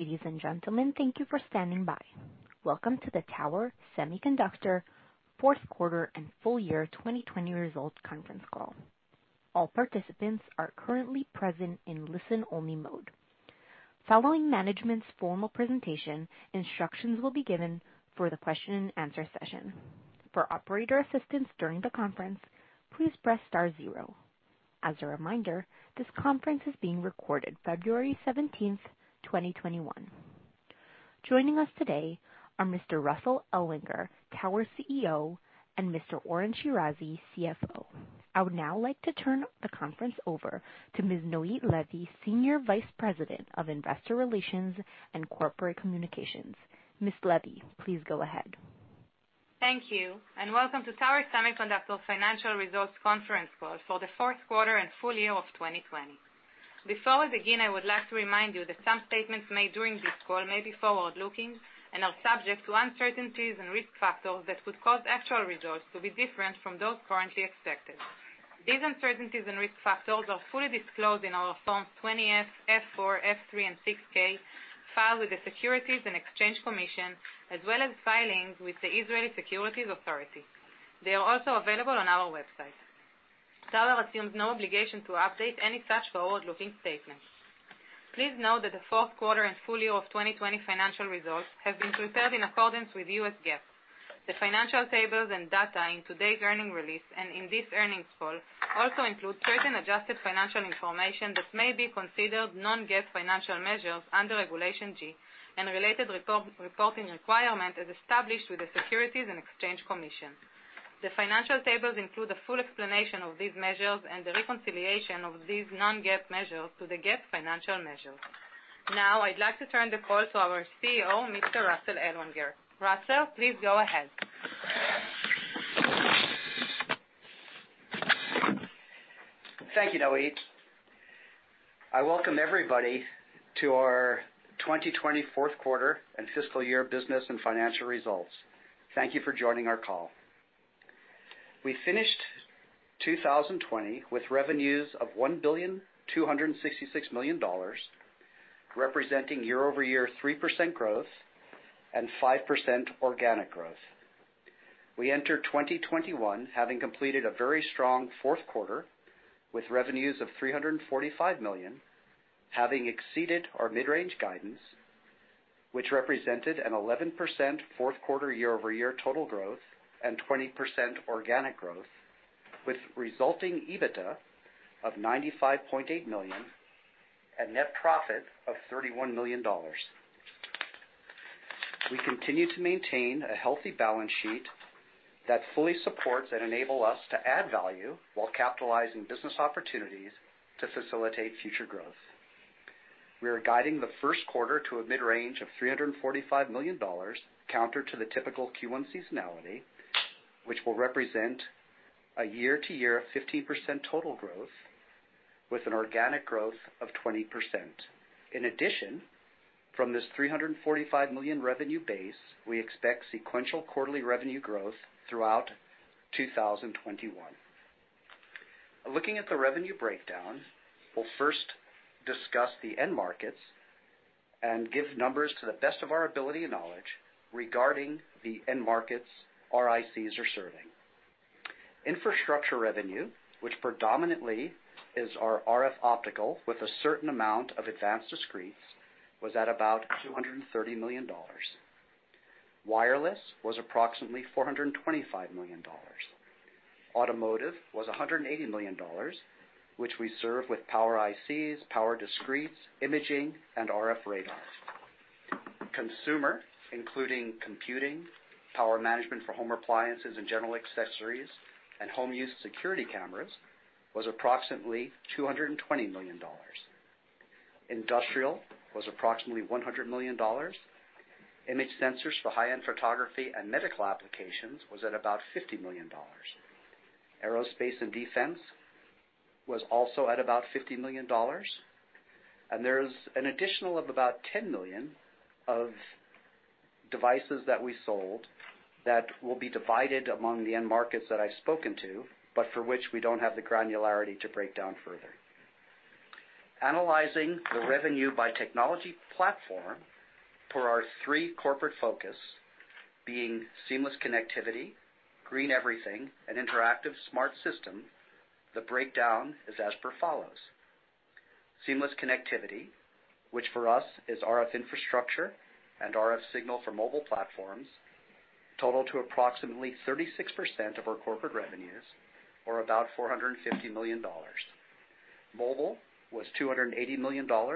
Ladies and gentlemen, thank you for standing by. Welcome to the Tower Semiconductor Fourth Quarter and Full Year 2020 Results Conference Call. All participants are currently present in listen-only mode. Following management's formal presentation, instructions will be given for the question-and-answer session. For operator assistance during the conference, please press star zero. As a reminder, this conference is being recorded February 17th, 2021. Joining us today are Mr. Russell Ellwanger, Tower CEO, and Mr. Oren Shirazi, CFO. I would now like to turn the conference over to Ms. Noit Levi, Senior Vice President of Investor Relations and Corporate Communications. Ms. Levi, please go ahead. Thank you, and welcome to Tower Semiconductor Financial Results Conference Call for the Fourth Quarter and Full Year of 2020. Before we begin, I would like to remind you that some statements made during this call may be forward-looking and are subject to uncertainties and risk factors that could cause actual results to be different from those currently expected. These uncertainties and risk factors are fully disclosed in our Forms 20F, F4, F3, and 6K filed with the Securities and Exchange Commission, as well as filings with the Israeli Securities Authority. They are also available on our website. Tower assumes no obligation to update any such forward-looking statements. Please note that the Fourth Quarter and Full Year of 2020 financial results have been prepared in accordance with US GAAP. The financial tables and data in today's earnings release and in this earnings call also include certain adjusted financial information that may be considered non-GAAP financial measures under Regulation G and related reporting requirements as established with the Securities and Exchange Commission. The financial tables include a full explanation of these measures and the reconciliation of these non-GAAP measures to the GAAP financial measures. Now, I'd like to turn the call to our CEO, Mr. Russell Ellwanger. Russell, please go ahead. Thank you, Noit. I welcome everybody to our 2020 Fourth Quarter and Fiscal Year Business and Financial Results. Thank you for joining our call. We finished 2020 with revenues of $1,266 million, representing year-over-year 3% growth and 5% organic growth. We entered 2021 having completed a very strong fourth quarter with revenues of $345 million, having exceeded our mid-range guidance, which represented an 11% fourth quarter year-over-year total growth and 20% organic growth, with resulting EBITDA of $95.8 million and net profit of $31 million. We continue to maintain a healthy balance sheet that fully supports and enables us to add value while capitalizing business opportunities to facilitate future growth. We are guiding the first quarter to a mid-range of $345 million, counter to the typical Q1 seasonality, which will represent a year-to-year 15% total growth with an organic growth of 20%. In addition, from this $345 million revenue base, we expect sequential quarterly revenue growth throughout 2021. Looking at the revenue breakdown, we'll first discuss the end markets and give numbers to the best of our ability and knowledge regarding the end markets RICs are serving. Infrastructure revenue, which predominantly is our RF optical with a certain amount of advanced discretes, was at about $230 million. Wireless was approximately $425 million. Automotive was $180 million, which we serve with power ICs, power discretes, imaging, and RF radar. Consumer, including computing, power management for home appliances and general accessories, and home-use security cameras, was approximately $220 million. Industrial was approximately $100 million. Image sensors for high-end photography and medical applications was at about $50 million. Aerospace and defense was also at about $50 million. There is an additional of about $10 million of devices that we sold that will be divided among the end markets that I've spoken to, but for which we don't have the granularity to break down further. Analyzing the revenue by technology platform for our three corporate focuses, being seamless connectivity, green everything, and interactive smart system, the breakdown is as per follows. Seamless connectivity, which for us is RF infrastructure and RF signal for mobile platforms, totaled to approximately 36% of our corporate revenues, or about $450 million. Mobile was $280 million, a 22%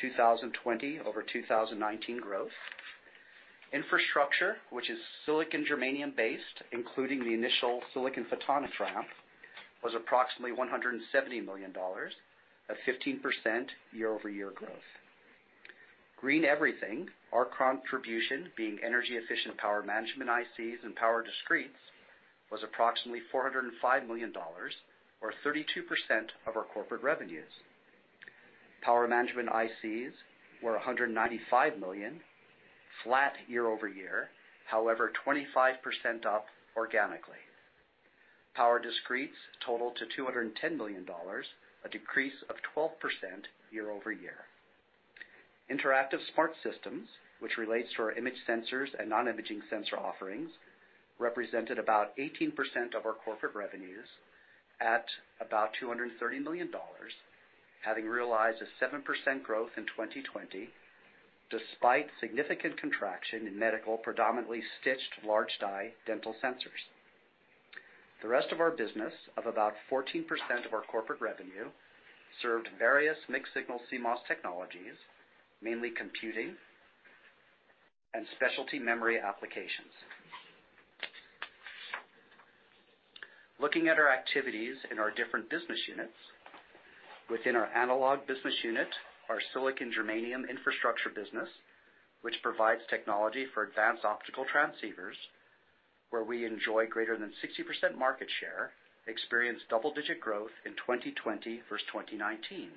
2020 over 2019 growth. Infrastructure, which is silicon-germanium based, including the initial silicon photonic ramp, was approximately $170 million, a 15% year-over-year growth. Green everything, our contribution, being energy-efficient power management ICs and power discretes, was approximately $405 million, or 32% of our corporate revenues. Power management ICs were $195 million, flat year-over-year, however, 25% up organically. Power discretes totaled to $210 million, a decrease of 12% year-over-year. Interactive smart systems, which relates to our image sensors and non-imaging sensor offerings, represented about 18% of our corporate revenues at about $230 million, having realized a 7% growth in 2020 despite significant contraction in medical, predominantly stitched large-dye dental sensors. The rest of our business, of about 14% of our corporate revenue, served various mixed-signal CMOS technologies, mainly computing and specialty memory applications. Looking at our activities in our different business units, within our analog business unit, our silicon-germanium infrastructure business, which provides technology for advanced optical transceivers, where we enjoy greater than 60% market share, experienced double-digit growth in 2020 versus 2019.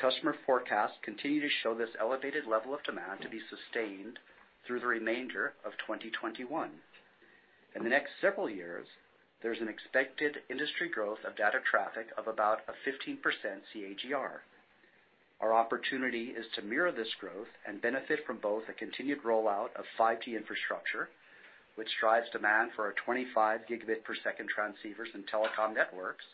Customer forecasts continue to show this elevated level of demand to be sustained through the remainder of 2021. In the next several years, there's an expected industry growth of data traffic of about a 15% CAGR. Our opportunity is to mirror this growth and benefit from both a continued rollout of 5G infrastructure, which drives demand for our 25 gigabit per second transceivers and telecom networks,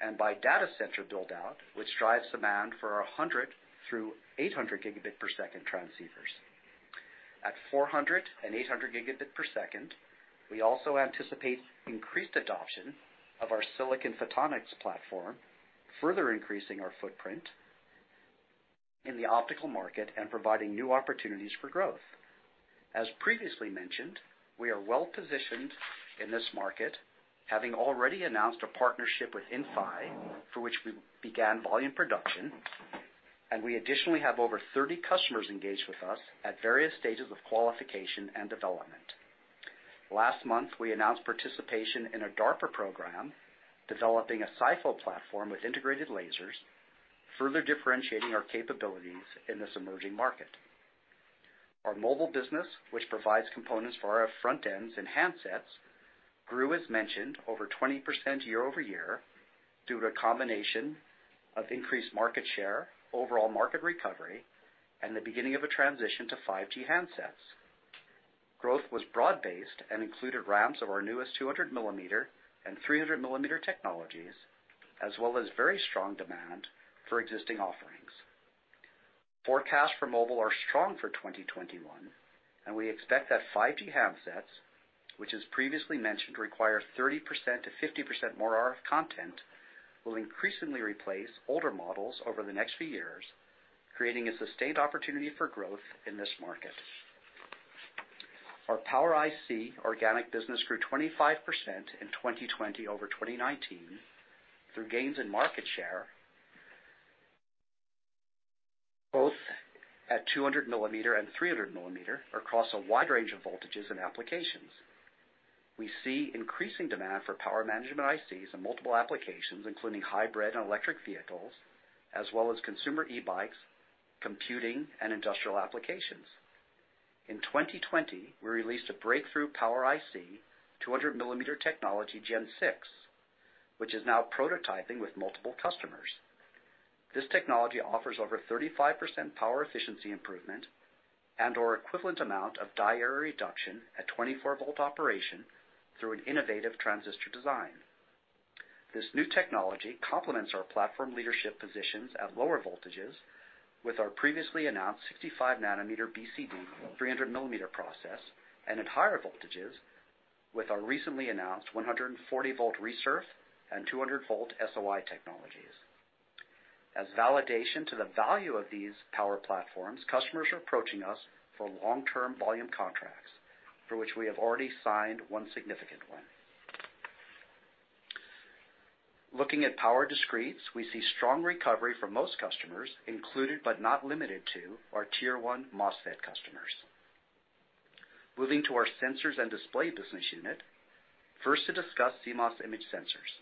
and by data center build-out, which drives demand for our 100 through 800 gigabit per second transceivers. At 400 and 800 gigabit per second, we also anticipate increased adoption of our silicon photonics platform, further increasing our footprint in the optical market and providing new opportunities for growth. As previously mentioned, we are well-positioned in this market, having already announced a partnership with Infinera, for which we began volume production, and we additionally have over 30 customers engaged with us at various stages of qualification and development. Last month, we announced participation in a DARPA program developing a silicon photonics platform with integrated lasers, further differentiating our capabilities in this emerging market. Our mobile business, which provides components for our RF front ends and handsets, grew, as mentioned, over 20% year-over-year due to a combination of increased market share, overall market recovery, and the beginning of a transition to 5G handsets. Growth was broad-based and included ramps of our newest 200-mm and 300-mm technologies, as well as very strong demand for existing offerings. Forecasts for mobile are strong for 2021, and we expect that 5G handsets, which as previously mentioned require 30%-50% more RF content, will increasingly replace older models over the next few years, creating a sustained opportunity for growth in this market. Our Power IC organic business grew 25% in 2020 over 2019 through gains in market share, both at 200-mm and 300-mm, across a wide range of voltages and applications. We see increasing demand for power management ICs and multiple applications, including hybrid and electric vehicles, as well as consumer e-bikes, computing, and industrial applications. In 2020, we released a breakthrough Power IC 200-mm technology Gen 6, which is now prototyping with multiple customers. This technology offers over 35% power efficiency improvement and/or equivalent amount of diode reduction at 24-volt operation through an innovative transistor design. This new technology complements our platform leadership positions at lower voltages with our previously announced 65-nm BCD 300-mm process, and at higher voltages with our recently announced 140-volt RESURF and 200-volt SOI technologies. As validation to the value of these power platforms, customers are approaching us for long-term volume contracts, for which we have already signed one significant one. Looking at power discretes, we see strong recovery for most customers, included, but not limited to, our Tier-1 MOSFET customers. Moving to our sensors and display business unit, first to discuss CMOS image sensors.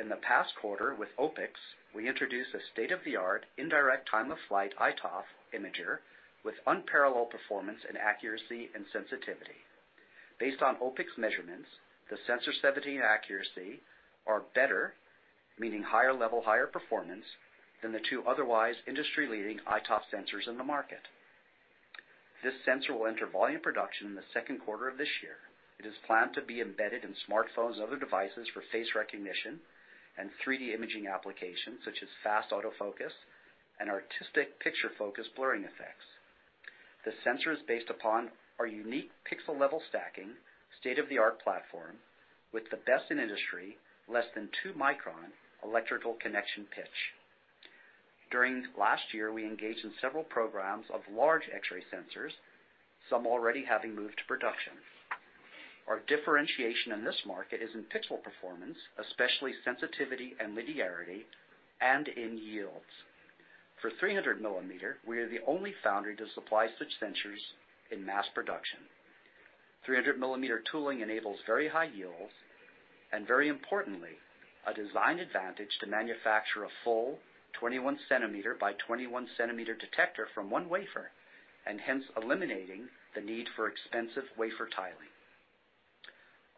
In the past quarter, with OPIX, we introduced a state-of-the-art indirect time-of-flight iToF imager with unparalleled performance and accuracy and sensitivity. Based on OPIX measurements, the sensor sensitivity and accuracy are better, meaning higher level, higher performance than the two otherwise industry-leading iToF sensors in the market. This sensor will enter volume production in the second quarter of this year. It is planned to be embedded in smartphones and other devices for face recognition and 3D imaging applications such as fast autofocus and artistic picture focus blurring effects. The sensor is based upon our unique pixel-level stacking, state-of-the-art platform with the best in industry, less than 2 micron electrical connection pitch. During last year, we engaged in several programs of large X-ray sensors, some already having moved to production. Our differentiation in this market is in pixel performance, especially sensitivity and linearity, and in yields. For 300-mm, we are the only foundry to supply such sensors in mass production. 300-mm tooling enables very high yields and, very importantly, a design advantage to manufacture a full 21-cm by 21-cm detector from one wafer, and hence eliminating the need for expensive wafer tiling.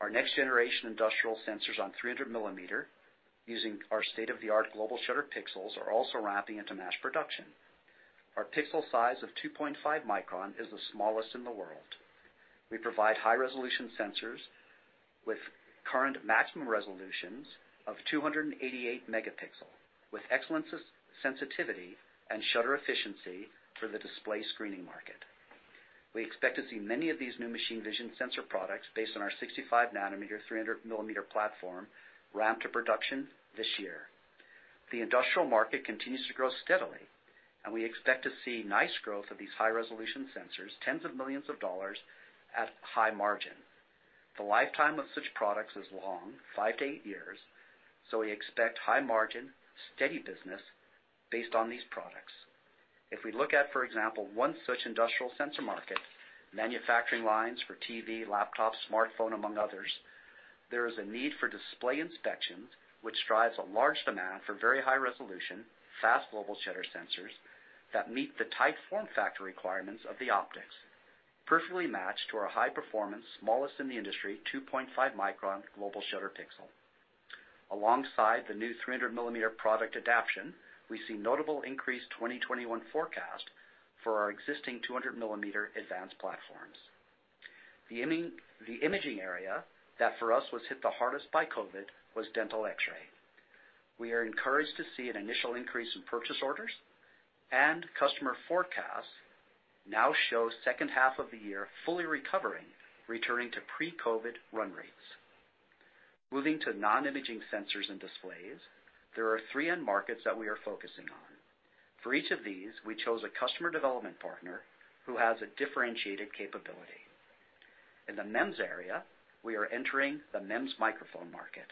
Our next-generation industrial sensors on 300-mm, using our state-of-the-art global shutter pixels, are also ramping into mass production. Our pixel size of 2.5 micron is the smallest in the world. We provide high-resolution sensors with current maximum resolutions of 288 megapixels, with excellent sensitivity and shutter efficiency for the display screening market. We expect to see many of these new machine vision sensor products based on our 65-nm 300-mm platform ramp to production this year. The industrial market continues to grow steadily, and we expect to see nice growth of these high-resolution sensors, tens of millions of dollars at high margin. The lifetime of such products is long, five to eight years, so we expect high margin, steady business based on these products. If we look at, for example, one such industrial sensor market, manufacturing lines for TV, laptops, smartphone, among others, there is a need for display inspections, which drives a large demand for very high resolution, fast global shutter sensors that meet the tight form factor requirements of the optics, perfectly matched to our high-performance, smallest in the industry, 2.5 micron global shutter pixel. Alongside the new 300-mm product adaption, we see notable increased 2021 forecast for our existing 200-mm advanced platforms. The imaging area that, for us, was hit the hardest by COVID was dental X-ray. We are encouraged to see an initial increase in purchase orders, and customer forecasts now show second half of the year fully recovering, returning to pre-COVID run rates. Moving to non-imaging sensors and displays, there are three end markets that we are focusing on. For each of these, we chose a customer development partner who has a differentiated capability. In the MEMS area, we are entering the MEMS microphone market.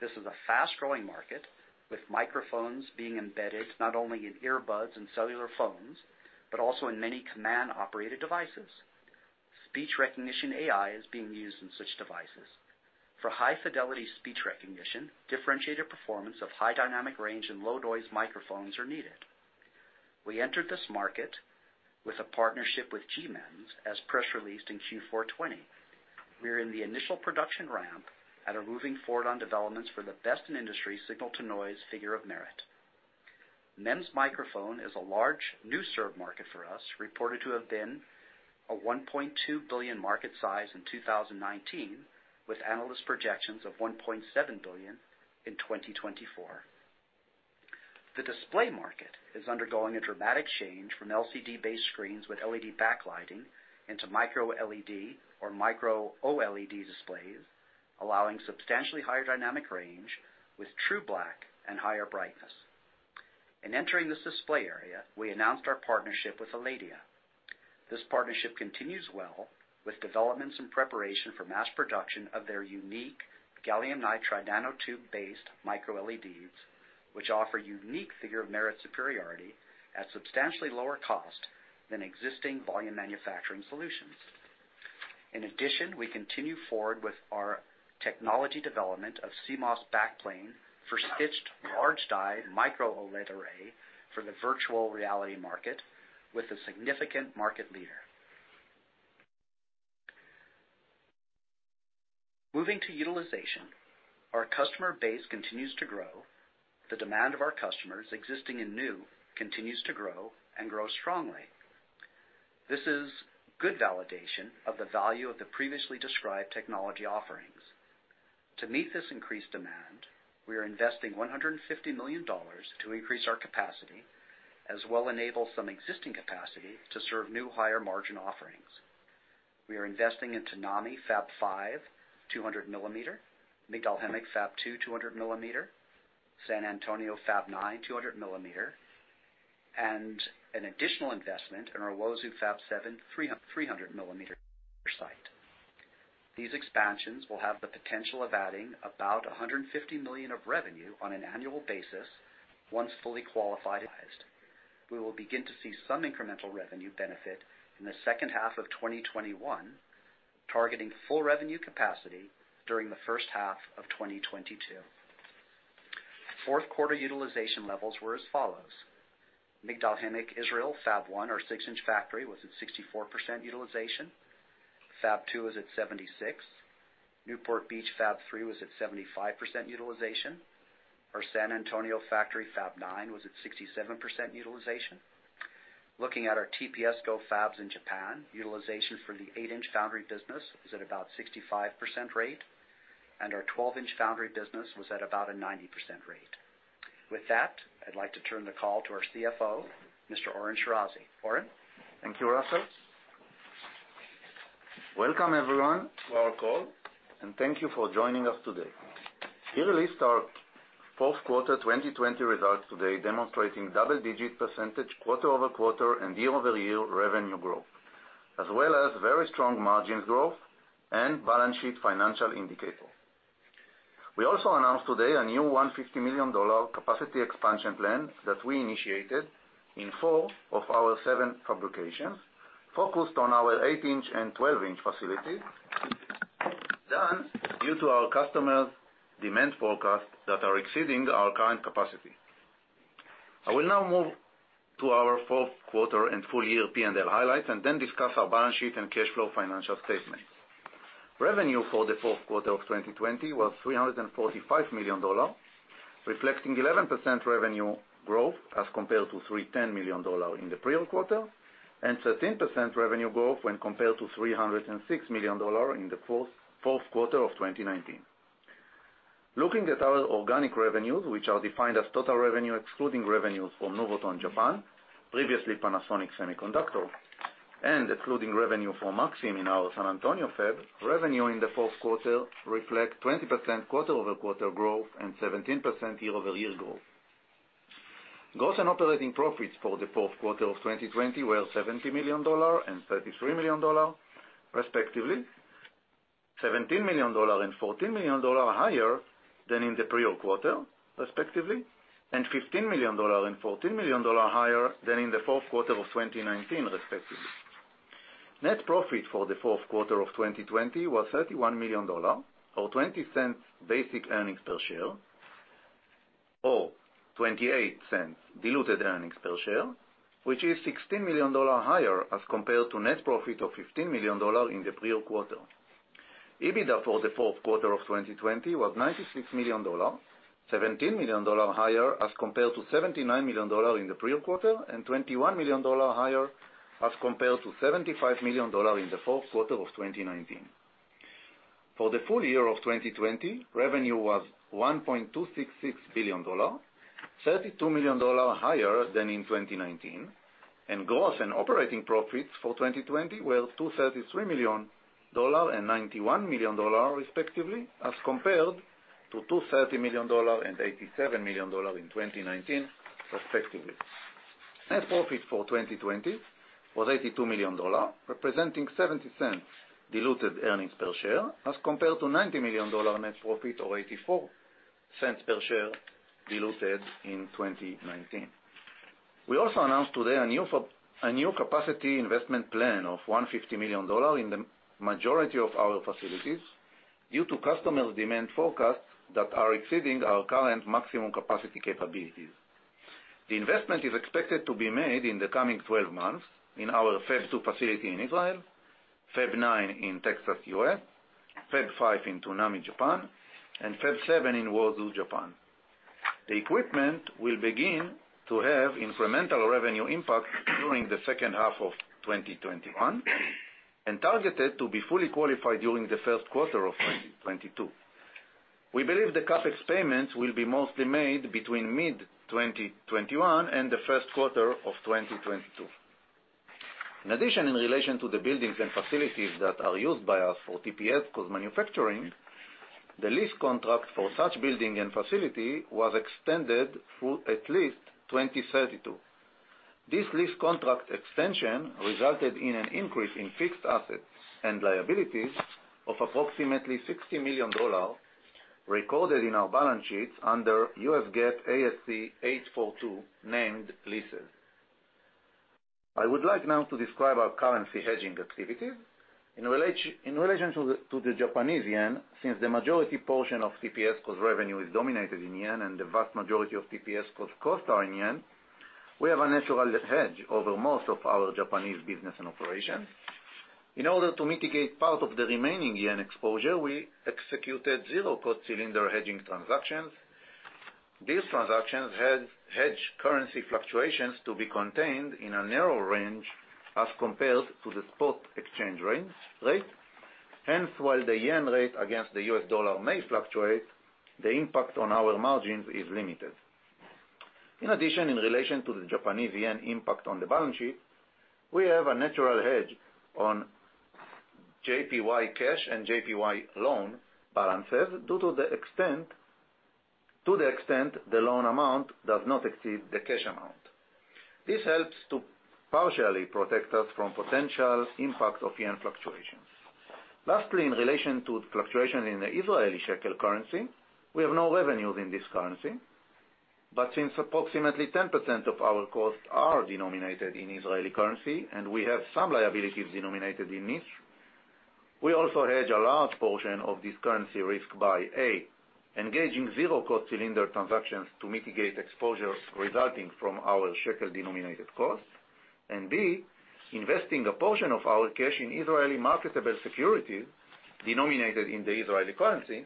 This is a fast-growing market, with microphones being embedded not only in earbuds and cellular phones, but also in many command-operated devices. Speech recognition AI is being used in such devices. For high-fidelity speech recognition, differentiated performance of high dynamic range and low-noise microphones are needed. We entered this market with a partnership with GMM, as press released in Q4 2020. We are in the initial production ramp and are moving forward on developments for the best in industry signal-to-noise figure of merit. MEMS microphone is a large new serve market for us, reported to have been a $1.2 billion market size in 2019, with analyst projections of $1.7 billion in 2024. The display market is undergoing a dramatic change from LCD-based screens with LED backlighting into micro-LED or micro-OLED displays, allowing substantially higher dynamic range with true black and higher brightness. In entering this display area, we announced our partnership with Aledia. This partnership continues well with developments in preparation for mass production of their unique gallium nitride nanotube-based micro-LEDs, which offer unique figure-of-merit superiority at substantially lower cost than existing volume manufacturing solutions. In addition, we continue forward with our technology development of CMOS backplane for stitched large-die micro-OLED array for the virtual reality market, with a significant market leader. Moving to utilization, our customer base continues to grow. The demand of our customers existing and new continues to grow and grow strongly. This is good validation of the value of the previously described technology offerings. To meet this increased demand, we are investing $150 million to increase our capacity, as well as enable some existing capacity to serve new higher-margin offerings. We are investing into Migdal Haemak Fab 5 200-mm, Migdal Haemek Fab 2 200-mm, San Antonio Fab 9 200-mm, and an additional investment in our Uozu Fab 7 300-mm site. These expansions will have the potential of adding about $150 million of revenue on an annual basis once fully qualified. We will begin to see some incremental revenue benefit in the second half of 2021, targeting full revenue capacity during the first half of 2022. Fourth quarter utilization levels were as follows: Migdal Haemek Israel Fab 1, our 6-in factory, was at 64% utilization. Fab 2 was at 76%. Newport Beach Fab 3 was at 75% utilization. Our San Antonio factory Fab 9 was at 67% utilization. Looking at our TPS Go Fabs in Japan, utilization for the 8-in foundry business was at about 65% rate, and our 12-in foundry business was at about a 90% rate. With that, I'd like to turn the call to our CFO, Mr. Oren Shirazi. Oren, thank you also. Welcome, everyone, to our call, and thank you for joining us today. We released our fourth quarter 2020 results today, demonstrating double-digit percentage quarter-over-quarter and year-over-year revenue growth, as well as very strong margin growth and balance sheet financial indicators. We also announced today a new $150 million capacity expansion plan that we initiated in four of our seven fabrications, focused on our 8-in and 12-in facilities, done due to our customers' demand forecasts that are exceeding our current capacity. I will now move to our fourth quarter and full-year P&L highlights and then discuss our balance sheet and cash flow financial statements. Revenue for the fourth quarter of 2020 was $345 million, reflecting 11% revenue growth as compared to $310 million in the prior quarter and 13% revenue growth when compared to $306 million in the fourth quarter of 2019. Looking at our organic revenues, which are defined as total revenue excluding revenues from Novoton Japan, previously Panasonic Semiconductor, and excluding revenue from Maxim in our San Antonio fab, revenue in the fourth quarter reflects 20% quarter-over-quarter growth and 17% year-over-year growth. Gross and operating profits for the fourth quarter of 2020 were $70 million and $33 million, respectively, $17 million and $14 million higher than in the prior quarter, respectively, and $15 million and $14 million higher than in the fourth quarter of 2019, respectively. Net profit for the fourth quarter of 2020 was $31 million, or $0.20 basic earnings per share, or $0.28 diluted earnings per share, which is $16 million higher as compared to net profit of $15 million in the prior quarter. EBITDA for the fourth quarter of 2020 was $96 million, $17 million higher as compared to $79 million in the prior quarter, and $21 million higher as compared to $75 million in the fourth quarter of 2019. For the full year of 2020, revenue was $1.266 billion, $32 million higher than in 2019, and gross and operating profits for 2020 were $233 million and $91 million, respectively, as compared to $230 million and $87 million in 2019, respectively. Net profit for 2020 was $82 million, representing $0.70 diluted earnings per share, as compared to $90 million net profit, or $0.84 per share diluted in 2019. We also announced today a new capacity investment plan of $150 million in the majority of our facilities due to customers' demand forecasts that are exceeding our current maximum capacity capabilities. The investment is expected to be made in the coming 12 months in our Fab 2 facility in Israel, Fab 9 in Texas, U.S., Fab 5 in Utsunomiya, Japan, and Fab 7 in Uozu, Japan. The equipment will begin to have incremental revenue impacts during the second half of 2021 and targeted to be fully qualified during the first quarter of 2022. We believe the CapEx payments will be mostly made between mid-2021 and the first quarter of 2022. In addition, in relation to the buildings and facilities that are used by us for TPSCo's manufacturing, the lease contract for such building and facility was extended through at least 2032. This lease contract extension resulted in an increase in fixed assets and liabilities of approximately $60 million recorded in our balance sheets under U.S. GAAP ASC 842 named leases. I would like now to describe our currency hedging activities. In relation to the Japanese yen, since the majority portion of TPSCo's revenue is denominated in yen and the vast majority of TPSCo's cost are in yen, we have a natural hedge over most of our Japanese business and operations. In order to mitigate part of the remaining yen exposure, we executed zero-cost cylinder hedging transactions. These transactions hedge currency fluctuations to be contained in a narrow range as compared to the spot exchange rate. Hence, while the yen rate against the US dollar may fluctuate, the impact on our margins is limited. In addition, in relation to the Japanese yen impact on the balance sheet, we have a natural hedge on JPY cash and JPY loan balances due to the extent the loan amount does not exceed the cash amount. This helps to partially protect us from potential impact of yen fluctuations. Lastly, in relation to fluctuations in the Israeli shekel currency, we have no revenues in this currency, but since approximately 10% of our costs are denominated in Israeli currency and we have some liabilities denominated in NIS, we also hedge a large portion of this currency risk by, A, engaging zero-cost cylinder transactions to mitigate exposure resulting from our shekel-denominated costs, and, B, investing a portion of our cash in Israeli marketable securities denominated in the Israeli currency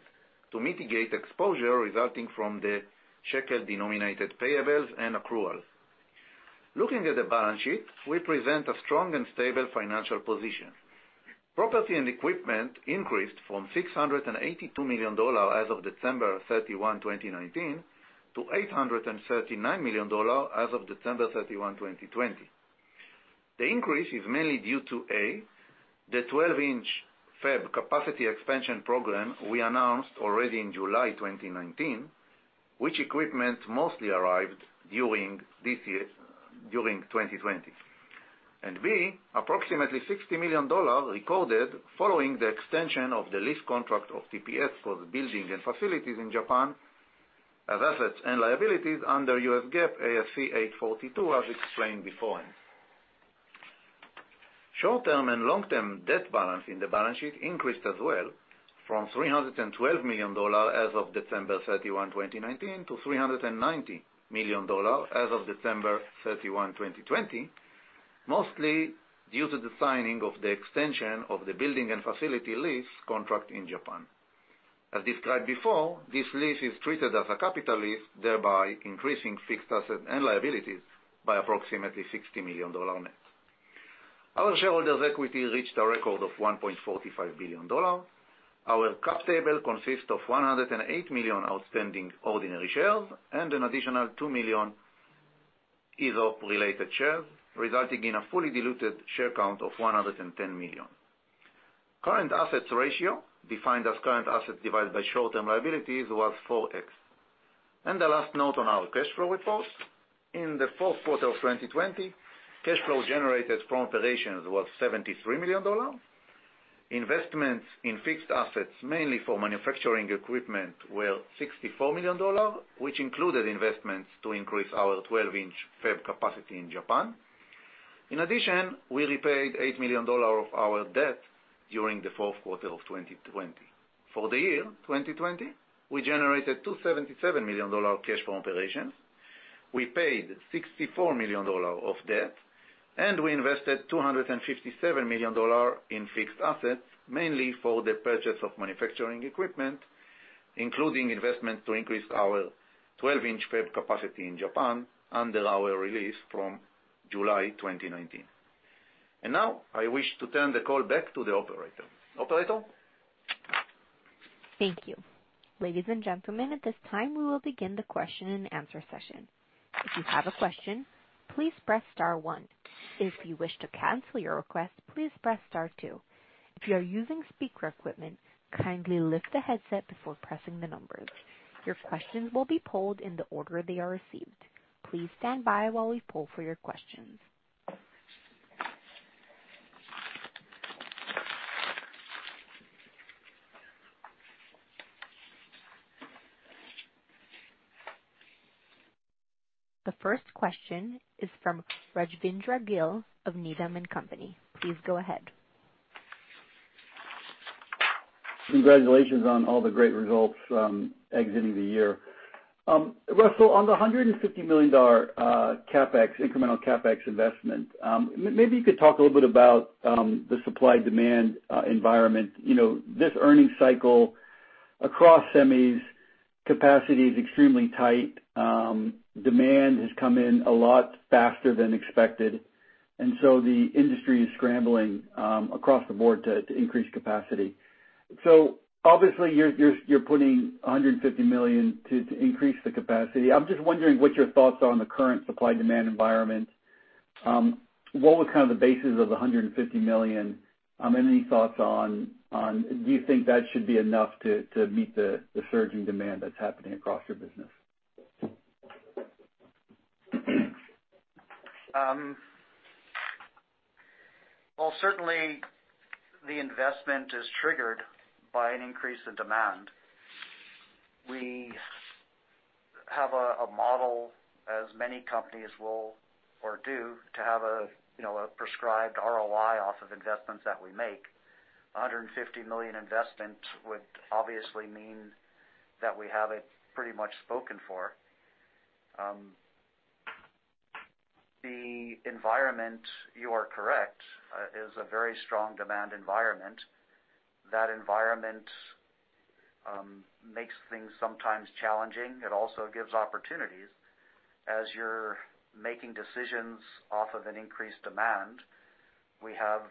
to mitigate exposure resulting from the shekel-denominated payables and accruals. Looking at the balance sheet, we present a strong and stable financial position. Property and equipment increased from $682 million as of December 31, 2019, to $839 million as of December 31, 2020. The increase is mainly due to, A, the 12-in fab capacity expansion program we announced already in July 2019, which equipment mostly arrived during 2020, and, B, approximately $60 million recorded following the extension of the lease contract of TPS goes building and facilities in Japan as assets and liabilities under U.S. GAAP ASC 842, as explained before. Short-term and long-term debt balance in the balance sheet increased as well from $312 million as of December 31, 2019, to $390 million as of December 31, 2020, mostly due to the signing of the extension of the building and facility lease contract in Japan. As described before, this lease is treated as a capital lease, thereby increasing fixed assets and liabilities by approximately $60 million net. Our shareholders' equity reached a record of $1.45 billion. Our cap table consists of 108 million outstanding ordinary shares and an additional 2 million ISOP-related shares, resulting in a fully diluted share count of 110 million. Current assets ratio, defined as current assets divided by short-term liabilities, was 4X. The last note on our cash flow report, in the fourth quarter of 2020, cash flow generated from operations was $73 million. Investments in fixed assets, mainly for manufacturing equipment, were $64 million, which included investments to increase our 12-in fab capacity in Japan. In addition, we repaid $8 million of our debt during the fourth quarter of 2020. For the year 2020, we generated $277 million cash from operations. We paid $64 million of debt, and we invested $257 million in fixed assets, mainly for the purchase of manufacturing equipment, including investments to increase our 12-in fab capacity in Japan under our release from July 2019. I wish to turn the call back to the operator. Operator. Thank you. Ladies and gentlemen, at this time, we will begin the question and answer session. If you have a question, please press star one. If you wish to cancel your request, please press star two. If you are using speaker equipment, kindly lift the headset before pressing the numbers. Your questions will be polled in the order they are received. Please stand by while we poll for your questions. The first question is from Rajvindra Gill of Needham & Company. Please go ahead. Congratulations on all the great results exiting the year. Russell, on the $150 million incremental CapEx investment, maybe you could talk a little bit about the supply-demand environment. This earnings cycle across semis' capacity is extremely tight. Demand has come in a lot faster than expected, and the industry is scrambling across the board to increase capacity. Obviously, you're putting $150 million to increase the capacity. I'm just wondering what your thoughts are on the current supply-demand environment. What was kind of the basis of the $150 million? Any thoughts on, do you think that should be enough to meet the surging demand that's happening across your business? Certainly, the investment is triggered by an increase in demand. We have a model, as many companies will or do, to have a prescribed ROI off of investments that we make. $150 million investment would obviously mean that we have it pretty much spoken for. The environment, you are correct, is a very strong demand environment. That environment makes things sometimes challenging. It also gives opportunities. As you're making decisions off of an increased demand, we have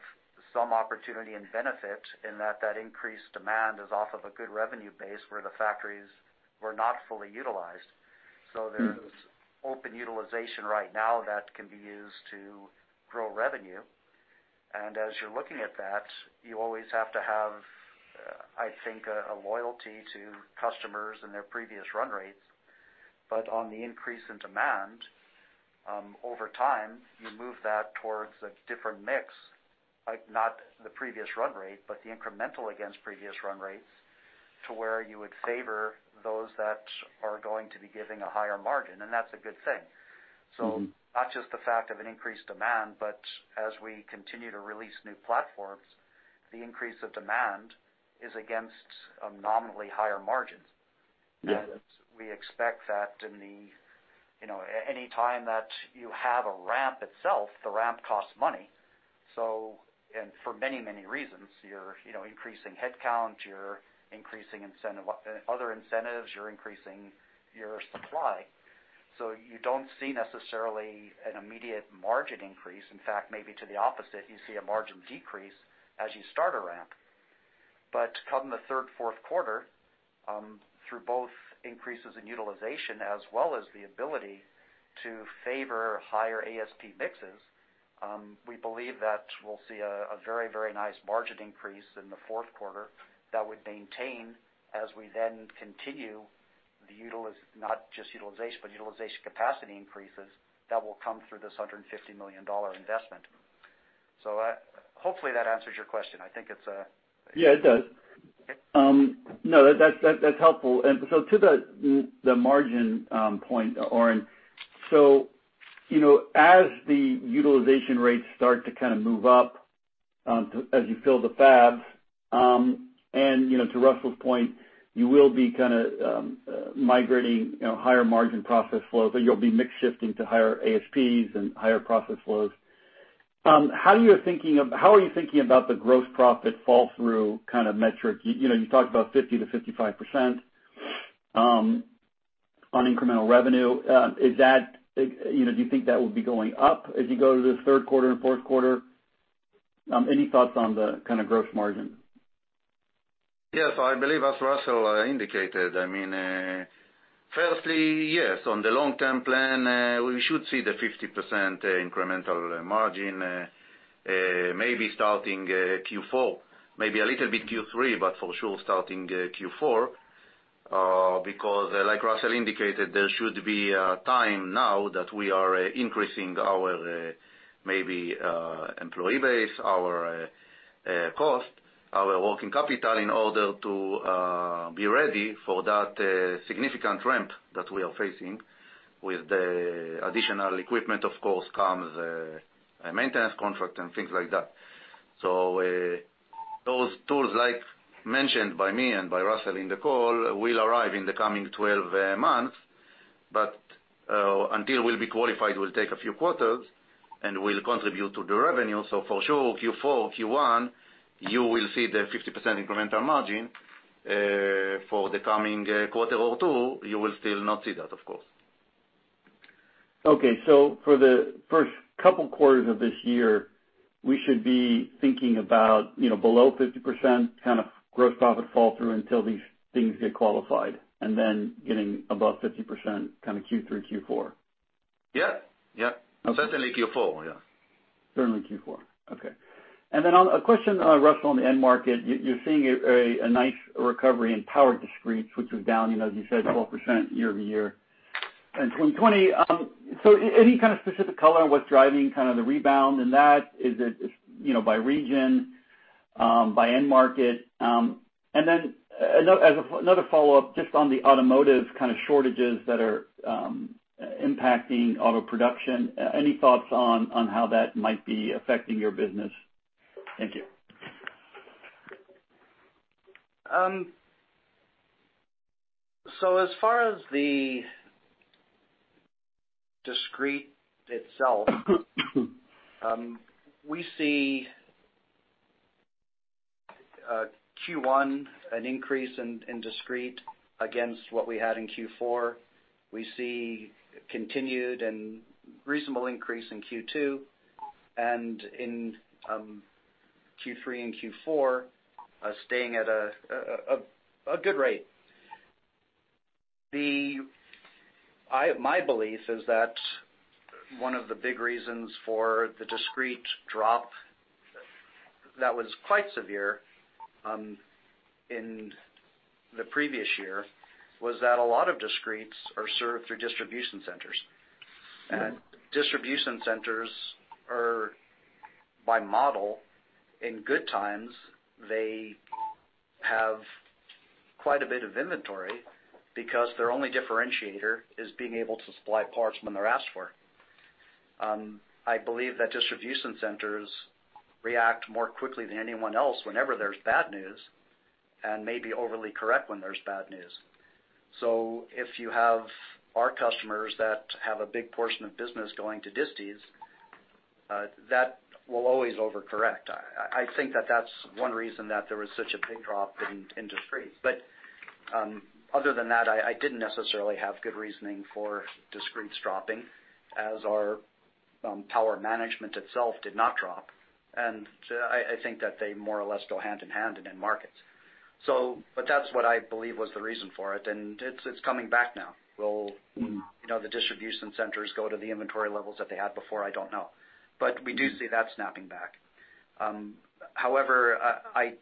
some opportunity and benefit in that that increased demand is off of a good revenue base where the factories were not fully utilized. There is open utilization right now that can be used to grow revenue. As you're looking at that, you always have to have, I think, a loyalty to customers and their previous run rates. On the increase in demand, over time, you move that towards a different mix, not the previous run rate, but the incremental against previous run rates to where you would favor those that are going to be giving a higher margin. That's a good thing. Not just the fact of an increased demand, but as we continue to release new platforms, the increase of demand is against nominally higher margins. We expect that any time that you have a ramp itself, the ramp costs money. For many, many reasons, you're increasing headcount, you're increasing other incentives, you're increasing your supply. You don't see necessarily an immediate margin increase. In fact, maybe to the opposite, you see a margin decrease as you start a ramp. Come the third, fourth quarter, through both increases in utilization as well as the ability to favor higher ASP mixes, we believe that we'll see a very, very nice margin increase in the fourth quarter that would maintain as we then continue the not just utilization, but utilization capacity increases that will come through this $150 million investment. Hopefully, that answers your question. I think it's a. Yeah, it does. No, that's helpful. To the margin point, Oren, as the utilization rates start to kind of move up as you fill the fabs, and to Russell's point, you will be kind of migrating higher margin process flows, or you'll be mix-shifting to higher ASPs and higher process flows. How are you thinking about the gross profit fall-through kind of metric? You talked about 50%-55% on incremental revenue. Do you think that would be going up as you go to the third quarter and fourth quarter? Any thoughts on the kind of gross margin? Yes. I believe as Russell indicated, I mean, firstly, yes, on the long-term plan, we should see the 50% incremental margin, maybe starting Q4, maybe a little bit Q3, but for sure starting Q4, because like Russell indicated, there should be a time now that we are increasing our maybe employee base, our cost, our working capital in order to be ready for that significant ramp that we are facing with the additional equipment, of course, comes maintenance contract and things like that. Those tools, like mentioned by me and by Russell in the call, will arrive in the coming 12 months. Until we'll be qualified, it will take a few quarters, and we'll contribute to the revenue. For sure, Q4, Q1, you will see the 50% incremental margin. For the coming quarter or two, you will still not see that, of course. Okay. For the first couple quarters of this year, we should be thinking about below 50% kind of gross profit fall-through until these things get qualified, and then getting above 50% kind of Q3, Q4. Yeah. Yeah. Certainly Q4, yeah. Certainly Q4. Okay. A question, Russell, on the end market. You're seeing a nice recovery in power discretes, which was down, as you said, 12% year-over-year in 2020. Any kind of specific color on what's driving kind of the rebound in that? Is it by region, by end market? Another follow-up just on the automotive kind of shortages that are impacting auto production. Any thoughts on how that might be affecting your business? Thank you. As far as the discrete itself, we see Q1 an increase in discrete against what we had in Q4. We see continued and reasonable increase in Q2 and in Q3 and Q4 staying at a good rate. My belief is that one of the big reasons for the discrete drop that was quite severe in the previous year was that a lot of discretes are served through distribution centers. Distribution centers are, by model, in good times, they have quite a bit of inventory because their only differentiator is being able to supply parts when they're asked for. I believe that distribution centers react more quickly than anyone else whenever there's bad news and maybe overly correct when there's bad news. If you have our customers that have a big portion of business going to Distees, that will always overcorrect. I think that that's one reason that there was such a big drop in discretes. Other than that, I did not necessarily have good reasoning for discretes dropping as our power management itself did not drop. I think that they more or less go hand in hand in end markets. That is what I believe was the reason for it. It is coming back now. Will the distribution centers go to the inventory levels that they had before? I do not know. We do see that snapping back. However, I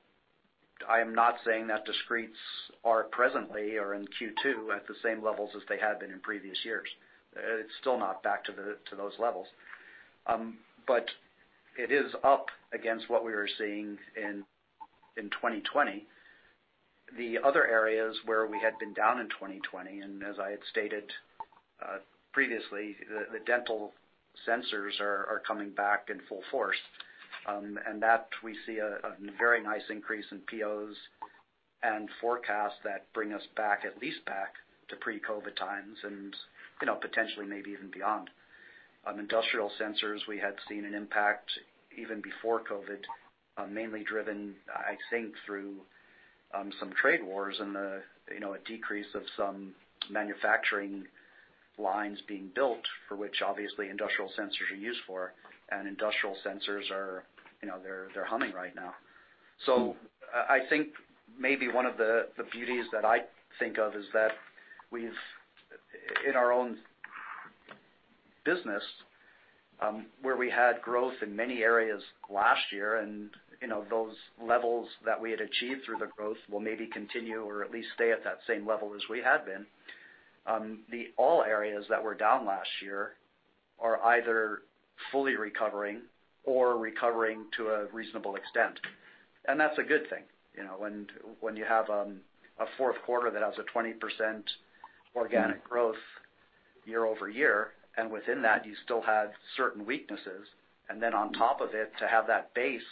am not saying that discretes are presently or in Q2 at the same levels as they had been in previous years. It is still not back to those levels. It is up against what we were seeing in 2020. The other areas where we had been down in 2020, and as I had stated previously, the dental sensors are coming back in full force. We see a very nice increase in POs and forecasts that bring us back, at least back to pre-COVID times and potentially maybe even beyond. Industrial sensors, we had seen an impact even before COVID, mainly driven, I think, through some trade wars and a decrease of some manufacturing lines being built, for which obviously industrial sensors are used for. Industrial sensors, they're humming right now. I think maybe one of the beauties that I think of is that we've, in our own business, where we had growth in many areas last year, and those levels that we had achieved through the growth will maybe continue or at least stay at that same level as we had been. The all areas that were down last year are either fully recovering or recovering to a reasonable extent. That's a good thing. When you have a fourth quarter that has a 20% organic growth year-over-year, and within that, you still have certain weaknesses. On top of it, to have that base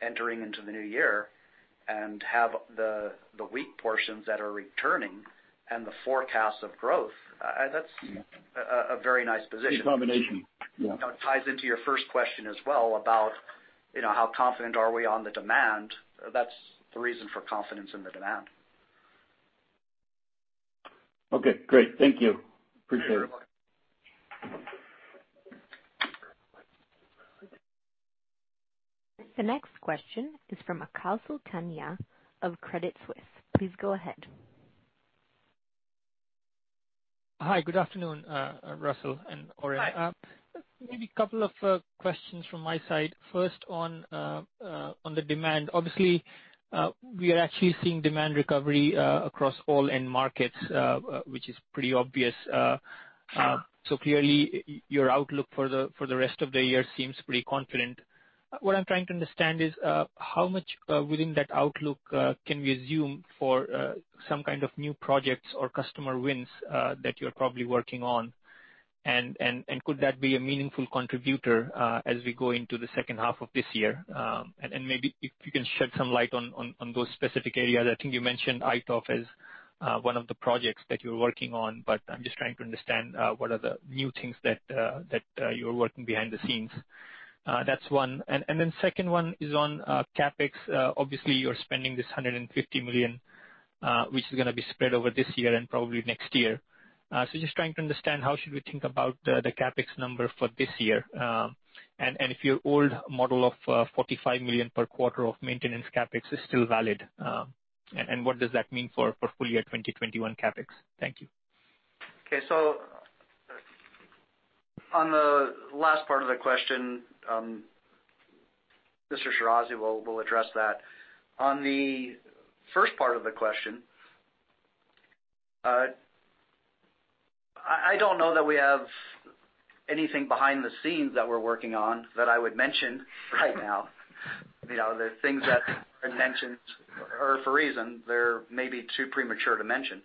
entering into the new year and have the weak portions that are returning and the forecasts of growth, that's a very nice position. It's a combination. Yeah. It ties into your first question as well about how confident are we on the demand. That's the reason for confidence in the demand. Okay. Great. Thank you. Appreciate it. You're very welcome. The next question is from Achal Sultania of Credit Suisse. Please go ahead. Hi. Good afternoon, Russell and Oren. Maybe a couple of questions from my side. First, on the demand, obviously, we are actually seeing demand recovery across all end markets, which is pretty obvious. Clearly, your outlook for the rest of the year seems pretty confident. What I'm trying to understand is how much within that outlook can we assume for some kind of new projects or customer wins that you're probably working on? Could that be a meaningful contributor as we go into the second half of this year? Maybe if you can shed some light on those specific areas. I think you mentioned iToF as one of the projects that you're working on, but I'm just trying to understand what are the new things that you're working behind the scenes. That's one. The second one is on CapEx. Obviously, you're spending this $150 million, which is going to be spread over this year and probably next year. Just trying to understand how should we think about the CapEx number for this year? If your old model of $45 million per quarter of maintenance CapEx is still valid, what does that mean for full year 2021 CapEx? Thank you. Okay. On the last part of the question, Mr. Shirazi will address that. On the first part of the question, I do not know that we have anything behind the scenes that we are working on that I would mention right now. The things that were mentioned are for a reason. They are maybe too premature to mention.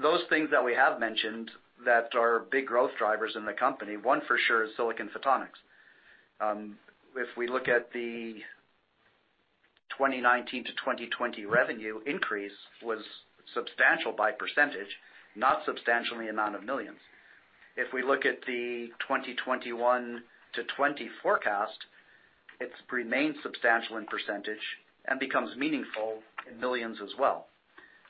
Those things that we have mentioned that are big growth drivers in the company, one for sure is silicon photonics. If we look at the 2019 to 2020 revenue increase, it was substantial by percentage, not substantially in the amount of millions. If we look at the 2021 to 2020 forecast, it remains substantial in percentage and becomes meaningful in millions as well.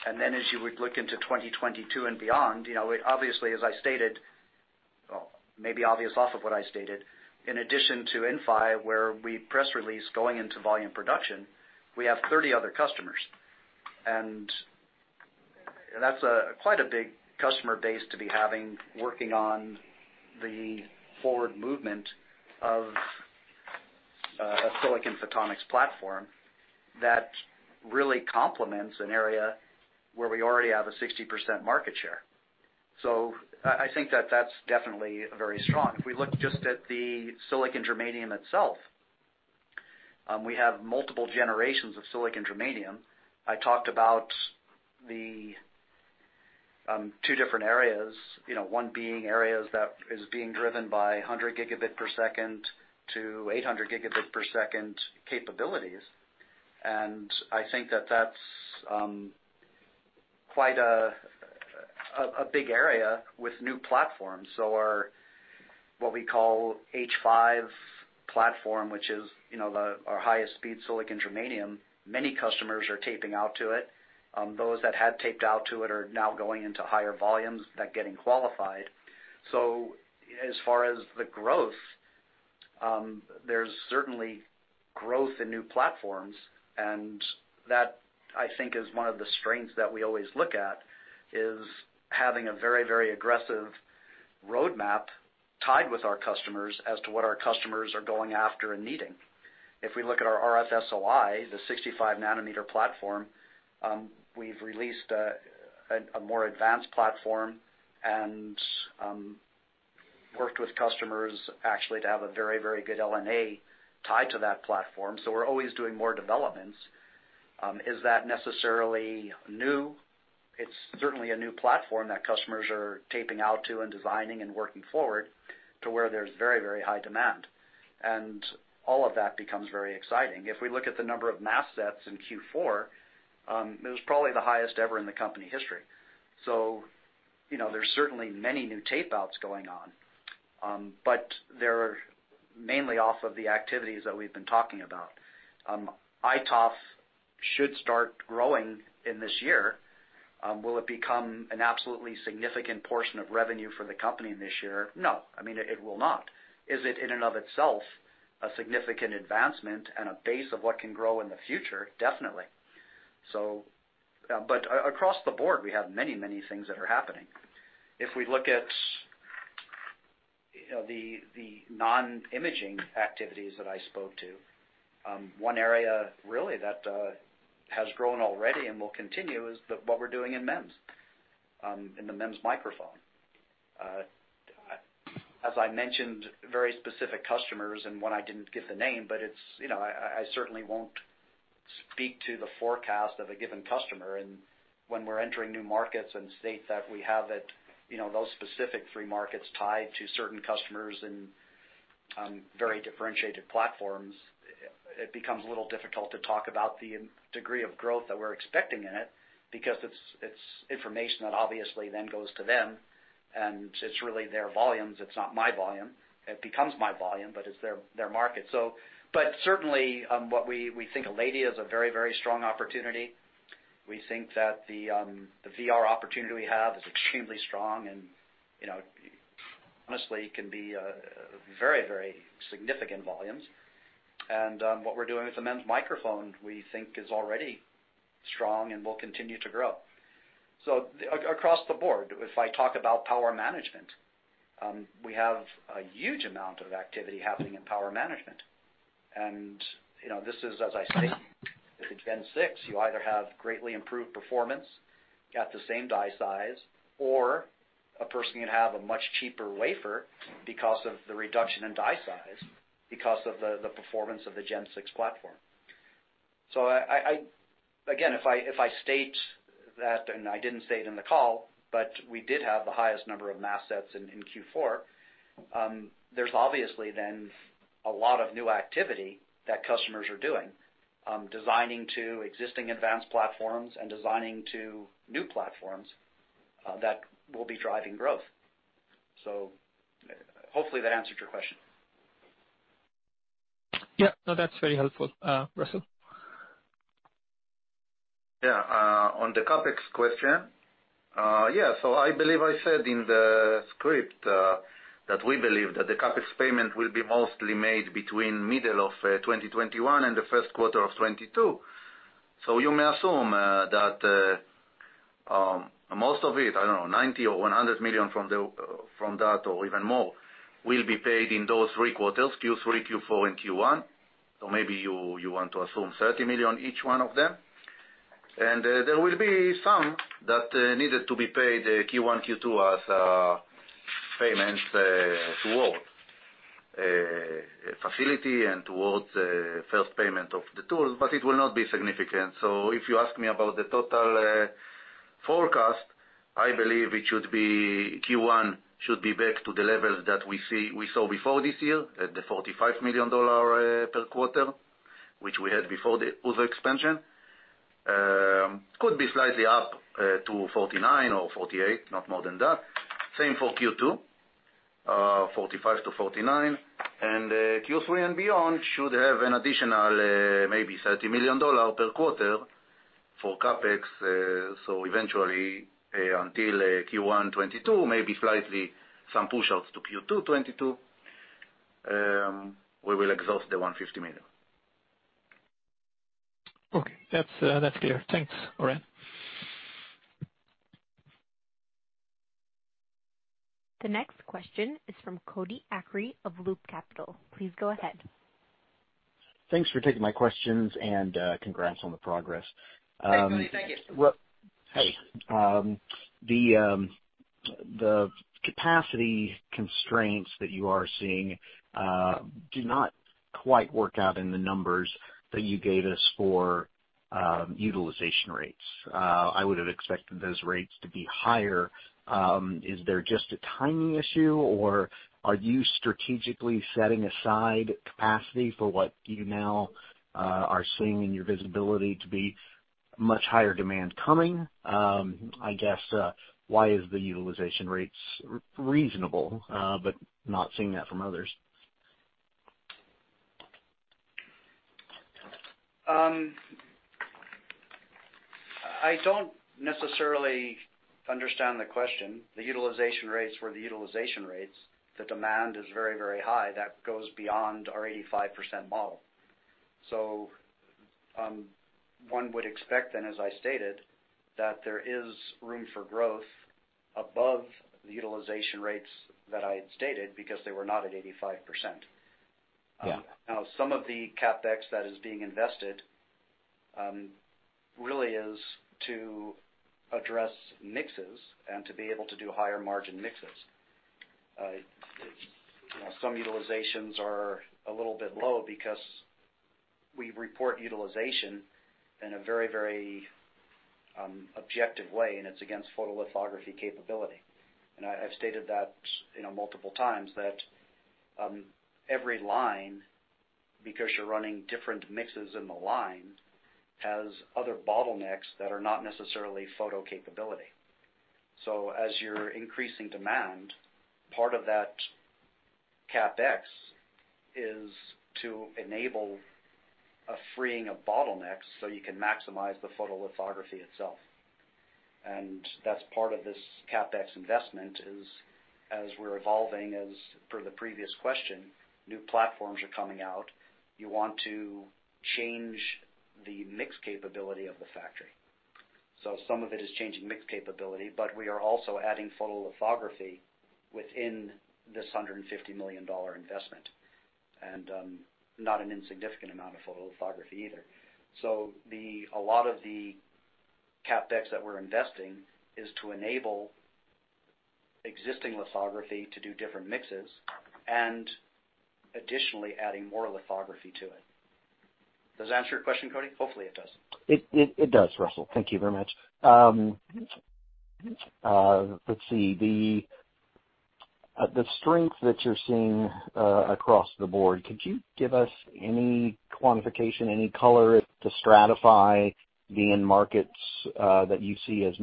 As you would look into 2022 and beyond, obviously, as I stated, maybe obvious off of what I stated, in addition to Infinera, where we press release going into volume production, we have 30 other customers. That is quite a big customer base to be having working on the forward movement of a silicon photonics platform that really complements an area where we already have a 60% market share. I think that is definitely very strong. If we look just at the silicon germanium itself, we have multiple generations of silicon germanium. I talked about the two different areas, one being areas that are being driven by 100 gigabit per second to 800 gigabit per second capabilities. I think that is quite a big area with new platforms. What we call our H5 platform, which is our highest speed silicon germanium, many customers are taping out to it. Those that had taped out to it are now going into higher volumes that are getting qualified. As far as the growth, there is certainly growth in new platforms. That, I think, is one of the strengths that we always look at, having a very, very aggressive roadmap tied with our customers as to what our customers are going after and needing. If we look at our RF SOI, the 65-nm platform, we have released a more advanced platform and worked with customers actually to have a very, very good LNA tied to that platform. We are always doing more developments. Is that necessarily new? It is certainly a new platform that customers are taping out to and designing and working forward to where there is very, very high demand. All of that becomes very exciting. If we look at the number of mass sets in Q4, it was probably the highest ever in the company history. There are certainly many new tapeouts going on, but they are mainly off of the activities that we have been talking about. iToF should start growing in this year. Will it become an absolutely significant portion of revenue for the company this year? No. I mean, it will not. Is it in and of itself a significant advancement and a base of what can grow in the future? Definitely. Across the board, we have many, many things that are happening. If we look at the non-imaging activities that I spoke to, one area really that has grown already and will continue is what we are doing in MEMS, in the MEMS microphone. As I mentioned, very specific customers, and one I didn't give the name, but I certainly won't speak to the forecast of a given customer. When we're entering new markets and state that we have those specific three markets tied to certain customers and very differentiated platforms, it becomes a little difficult to talk about the degree of growth that we're expecting in it because it's information that obviously then goes to them. It's really their volumes. It's not my volume. It becomes my volume, but it's their market. Certainly, what we think of Aledia as a very, very strong opportunity. We think that the VR opportunity we have is extremely strong and honestly can be very, very significant volumes. What we're doing with the MEMS microphone, we think, is already strong and will continue to grow. Across the board, if I talk about power management, we have a huge amount of activity happening in power management. This is, as I stated, the Gen 6. You either have greatly improved performance at the same die size or a person can have a much cheaper wafer because of the reduction in die size because of the performance of the Gen 6 platform. Again, if I state that, and I did not say it in the call, but we did have the highest number of mass sets in Q4, there is obviously then a lot of new activity that customers are doing, designing to existing advanced platforms and designing to new platforms that will be driving growth. Hopefully that answered your question. Yeah. No, that is very helpful, Russell. Yeah. On the CapEx question, yeah. I believe I said in the script that we believe that the CapEx payment will be mostly made between middle of 2021 and the first quarter of 2022. You may assume that most of it, I don't know, $90 million or $100 million from that or even more will be paid in those three quarters, Q3, Q4, and Q1. Maybe you want to assume $30 million each one of them. There will be some that needed to be paid Q1, Q2 as payments towards facility and towards first payment of the tools, but it will not be significant. If you ask me about the total forecast, I believe it should be Q1 should be back to the levels that we saw before this year at the $45 million per quarter, which we had before the Uther expansion. Could be slightly up to $49 million or $48 million, not more than that. Same for Q2, $45 million-$49 million. Q3 and beyond should have an additional maybe $30 million per quarter for CapEx. Eventually, until Q1 2022, maybe slightly some push-ups to Q2 2022, we will exhaust the $150 million. Okay. That's clear. Thanks, Oren. The next question is from Cody Acree of Loop Capital. Please go ahead. Thanks for taking my questions and congrats on the progress. Hey. The capacity constraints that you are seeing do not quite work out in the numbers that you gave us for utilization rates. I would have expected those rates to be higher. Is there just a timing issue, or are you strategically setting aside capacity for what you now are seeing in your visibility to be much higher demand coming? I guess, why is the utilization rates reasonable but not seeing that from others? I don't necessarily understand the question. The utilization rates were the utilization rates. The demand is very, very high. That goes beyond our 85% model. One would expect then, as I stated, that there is room for growth above the utilization rates that I stated because they were not at 85%. Now, some of the CapEx that is being invested really is to address mixes and to be able to do higher margin mixes. Some utilizations are a little bit low because we report utilization in a very, very objective way, and it's against photolithography capability. I've stated that multiple times that every line, because you're running different mixes in the line, has other bottlenecks that are not necessarily photo capability. As you're increasing demand, part of that CapEx is to enable a freeing of bottlenecks so you can maximize the photolithography itself. That's part of this CapEx investment, as we're evolving, as per the previous question, new platforms are coming out, you want to change the mix capability of the factory. Some of it is changing mix capability, but we are also adding photolithography within this $150 million investment and not an insignificant amount of photolithography either. A lot of the CapEx that we're investing is to enable existing lithography to do different mixes and additionally adding more lithography to it. Does that answer your question, Cody? Hopefully, it does. It does, Russell. Thank you very much. Let's see. The strength that you're seeing across the board, could you give us any quantification, any color to stratify the end markets that you see as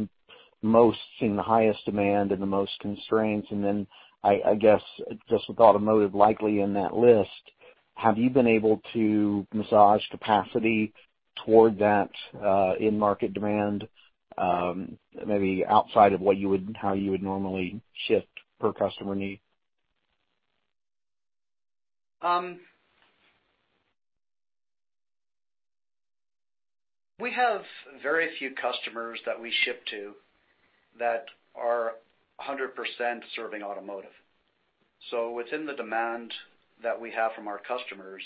most seeing the highest demand and the most constraints? I guess just with automotive likely in that list, have you been able to massage capacity toward that in-market demand maybe outside of how you would normally shift per customer need? We have very few customers that we ship to that are 100% serving automotive. So within the demand that we have from our customers,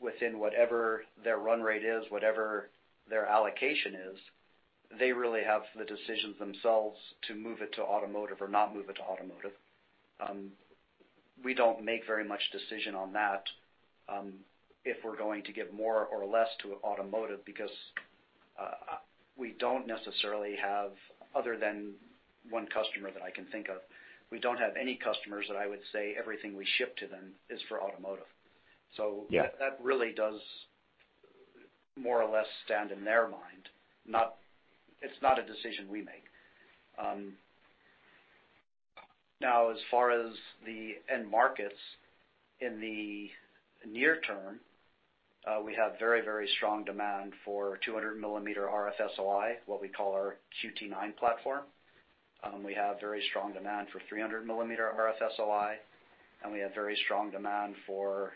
within whatever their run rate is, whatever their allocation is, they really have the decisions themselves to move it to automotive or not move it to automotive. We don't make very much decision on that if we're going to give more or less to automotive because we don't necessarily have, other than one customer that I can think of, we don't have any customers that I would say everything we ship to them is for automotive. That really does more or less stand in their mind. It's not a decision we make. Now, as far as the end markets, in the near term, we have very, very strong demand for 200-mm RF SOI, what we call our QT9 platform. We have very strong demand for 300-mm RF SOI, and we have very strong demand for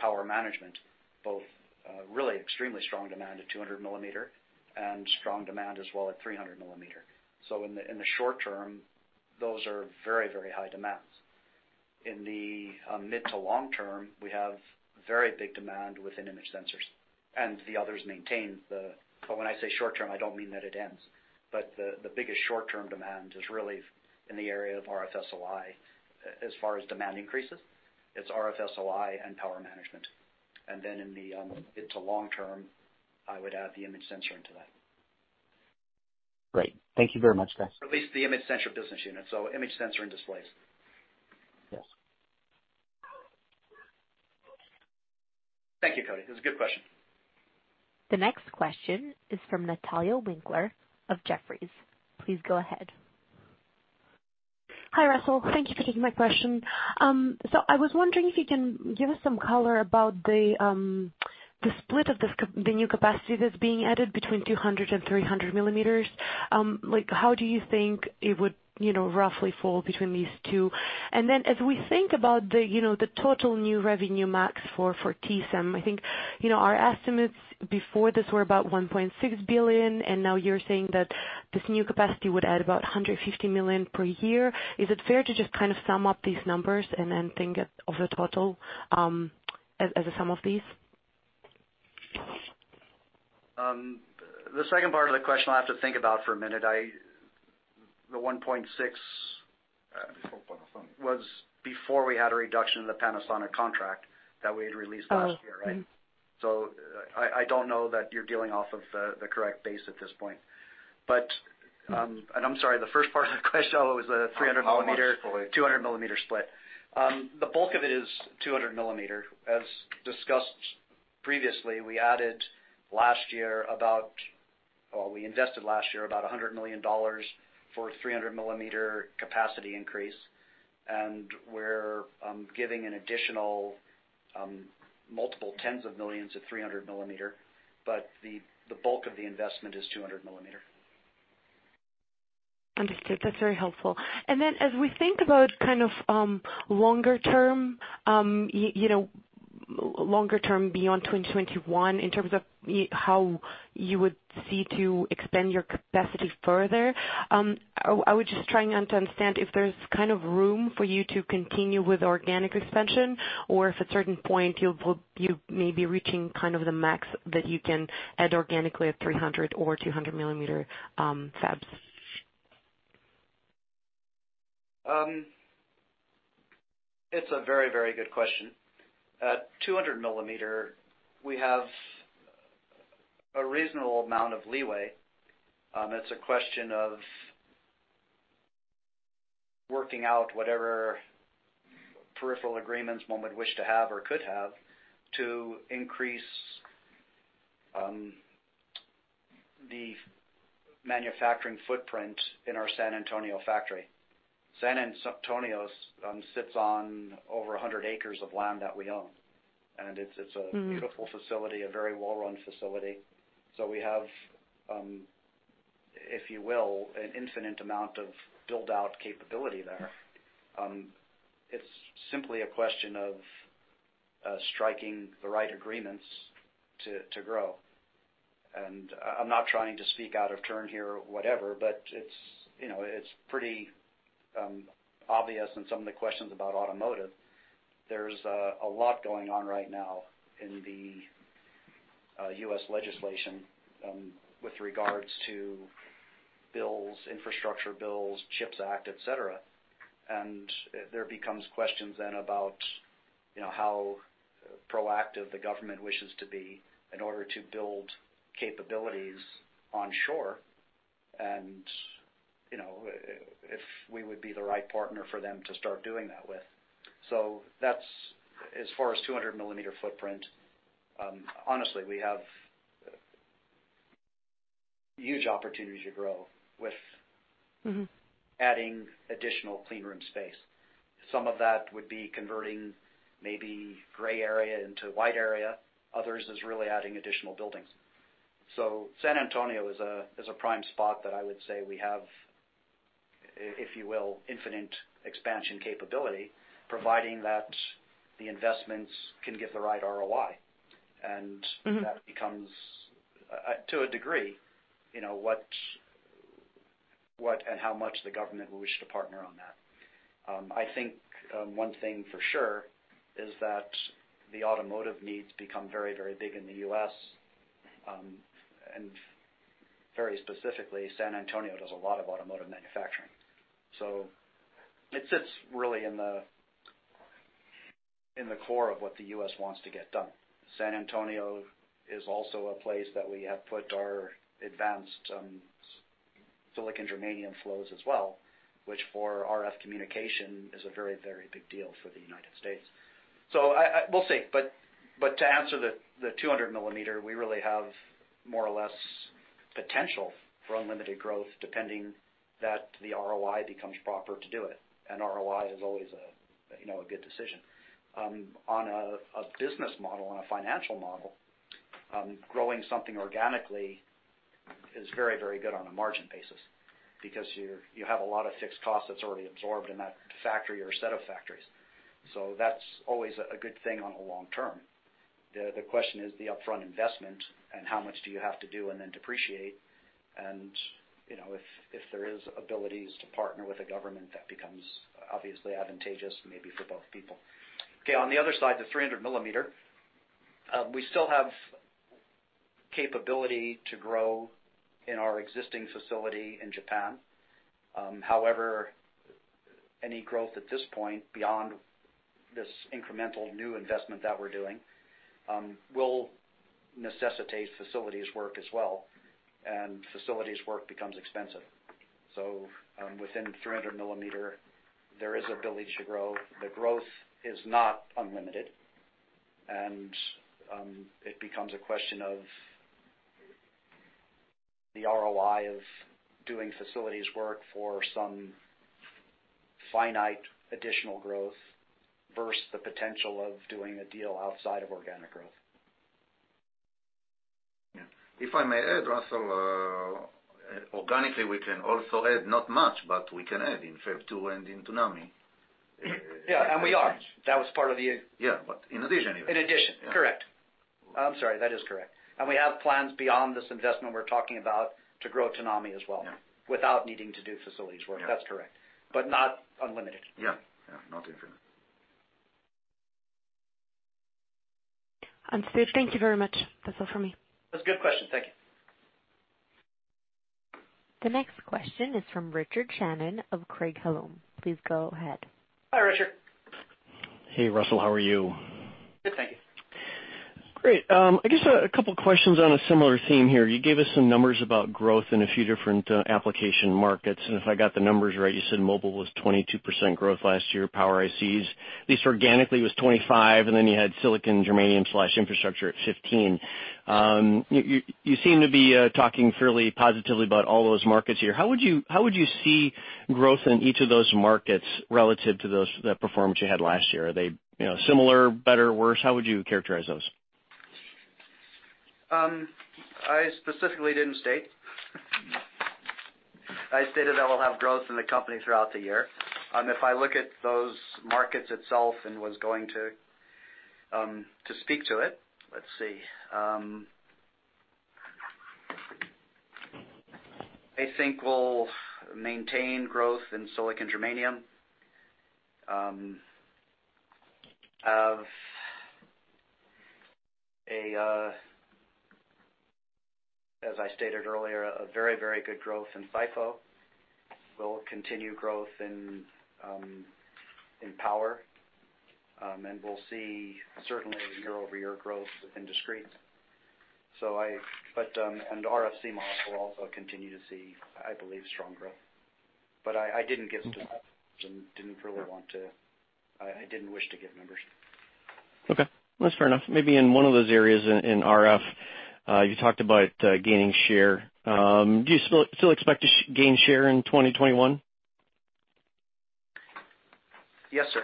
power management, both really extremely strong demand at 200-mm and strong demand as well at 300-mm. In the short term, those are very, very high demands. In the mid to long term, we have very big demand within image sensors. The others maintain the—but when I say short term, I do not mean that it ends. The biggest short-term demand is really in the area of RF SOI. As far as demand increases, it is RF SOI and power management. In the mid to long term, I would add the image sensor into that. Great. Thank you very much, guys. At least the image sensor business unit. Image sensor and displays. Yes. Thank you, Cody. It was a good question. The next question is from Natalia Winkler of Jefferies. Please go ahead. Hi, Russell. Thank you for taking my question. I was wondering if you can give us some color about the split of the new capacity that is being added between 200-mm and 300-mms. How do you think it would roughly fall between these two? As we think about the total new revenue max for TSEM, I think our estimates before this were about $1.6 billion, and now you're saying that this new capacity would add about $150 million per year. Is it fair to just kind of sum up these numbers and then think of the total as a sum of these? The second part of the question I'll have to think about for a minute. The $1.6 billion was before we had a reduction in the Panasonic contract that we had released last year, right? I don't know that you're dealing off of the correct base at this point. I'm sorry, the first part of the question was the 300-mm. Oh, sorry. 200-mm split. The bulk of it is 200-mm. As discussed previously, we added last year about—actually, we invested last year about $100 million for 300-mm capacity increase. We're giving an additional multiple tens of millions of 300-mm, but the bulk of the investment is 200-mm. Understood. That's very helpful. As we think about kind of longer term, longer term beyond 2021 in terms of how you would see to expand your capacity further, I would just try and understand if there's kind of room for you to continue with organic expansion or if at a certain point you may be reaching kind of the max that you can add organically at 300-mm or 200-mm fabs. It's a very, very good question. 200-mm, we have a reasonable amount of leeway. It's a question of working out whatever peripheral agreements one would wish to have or could have to increase the manufacturing footprint in our San Antonio factory. San Antonio sits on over 100 acres of land that we own. It is a beautiful facility, a very well-run facility. We have, if you will, an infinite amount of build-out capability there. It is simply a question of striking the right agreements to grow. I am not trying to speak out of turn here or whatever, but it is pretty obvious in some of the questions about automotive. There is a lot going on right now in the U.S. legislation with regards to bills, infrastructure bills, CHIPS Act, etc. There become questions then about how proactive the government wishes to be in order to build capabilities onshore and if we would be the right partner for them to start doing that with. As far as 200-mm footprint, honestly, we have huge opportunities to grow with adding additional cleanroom space. Some of that would be converting maybe gray area into white area. Others is really adding additional buildings. San Antonio is a prime spot that I would say we have, if you will, infinite expansion capability, providing that the investments can give the right ROI. That becomes, to a degree, what and how much the government wished to partner on that. I think one thing for sure is that the automotive needs become very, very big in the U.S. Very specifically, San Antonio does a lot of automotive manufacturing. It sits really in the core of what the U.S. wants to get done. San Antonio is also a place that we have put our advanced silicon germanium flows as well, which for RF communication is a very, very big deal for the United States. We'll see. To answer the 200-mm, we really have more or less potential for unlimited growth depending that the ROI becomes proper to do it. ROI is always a good decision. On a business model and a financial model, growing something organically is very, very good on a margin basis because you have a lot of fixed costs that's already absorbed in that factory or set of factories. That is always a good thing in the long term. The question is the upfront investment and how much do you have to do and then depreciate. If there are abilities to partner with a government, that becomes obviously advantageous maybe for both people. On the other side, the 300-mm, we still have capability to grow in our existing facility in Japan. However, any growth at this point beyond this incremental new investment that we're doing will necessitate facilities work as well. Facilities work becomes expensive. Within 300-mm, there is ability to grow. The growth is not unlimited. It becomes a question of the ROI of doing facilities work for some finite additional growth versus the potential of doing a deal outside of organic growth. Yeah. If I may add, Russell, organically, we can also add not much, but we can add in Fab 2 and in Utsunomiya. Yeah. We are. That was part of the. Yeah. In addition, even. In addition. Correct. I'm sorry. That is correct. We have plans beyond this investment we're talking about to grow Utsunomiya as well without needing to do facilities work. That's correct. Not unlimited. Yeah. Not infinite. Understood. Thank you very much. That's all for me. That's a good question. Thank you. The next question is from Richard Shannon of Craig-Hallum. Please go ahead. Hi, Richard. Hey, Russell. How are you? Good. Thank you. Great. I guess a couple of questions on a similar theme here. You gave us some numbers about growth in a few different application markets. If I got the numbers right, you said mobile was 22% growth last year, power ICs, at least organically, was 25%, and then you had silicon germanium/infrastructure at 15%. You seem to be talking fairly positively about all those markets here. How would you see growth in each of those markets relative to that performance you had last year? Are they similar, better, worse? How would you characterize those? I specifically did not state. I stated that we will have growth in the company throughout the year. If I look at those markets itself and was going to speak to it, let's see. I think we will maintain growth in silicon germanium. As I stated earlier, a very, very good growth in SiGe. We will continue growth in power. We will see certainly year-over-year growth within discrete. RFC model will also continue to see, I believe, strong growth. I did not give numbers and did not really want to—I did not wish to give numbers. Okay. That is fair enough. Maybe in one of those areas in RF, you talked about gaining share. Do you still expect to gain share in 2021? Yes, sir.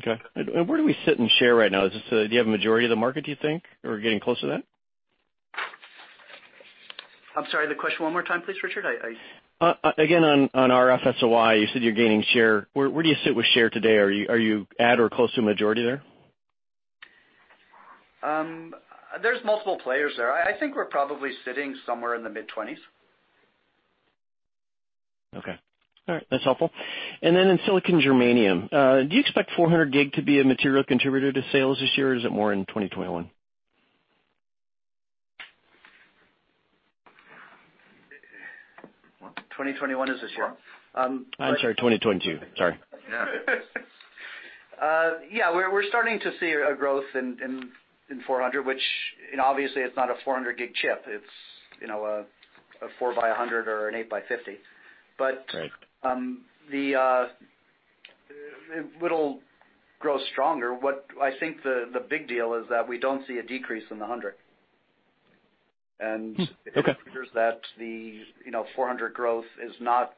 Okay. Where do we sit in share right now? Do you have a majority of the market, do you think, or getting close to that? I am sorry. The question one more time, please, Richard. Again, on RF SOI, you said you are gaining share. Where do you sit with share today? Are you at or close to a majority there? There are multiple players there. I think we are probably sitting somewhere in the mid-20s. Okay. All right. That is helpful. Then in silicon germanium, do you expect 400 gig to be a material contributor to sales this year, or is it more in 2021? 2021 is this year. I'm sorry. 2022. Sorry. Yeah. Yeah. We're starting to see a growth in 400, which obviously it's not a 400-gig chip. It's a 4x100 or an 8x50. It will grow stronger. I think the big deal is that we don't see a decrease in the 100. It's clear that the 400 growth is not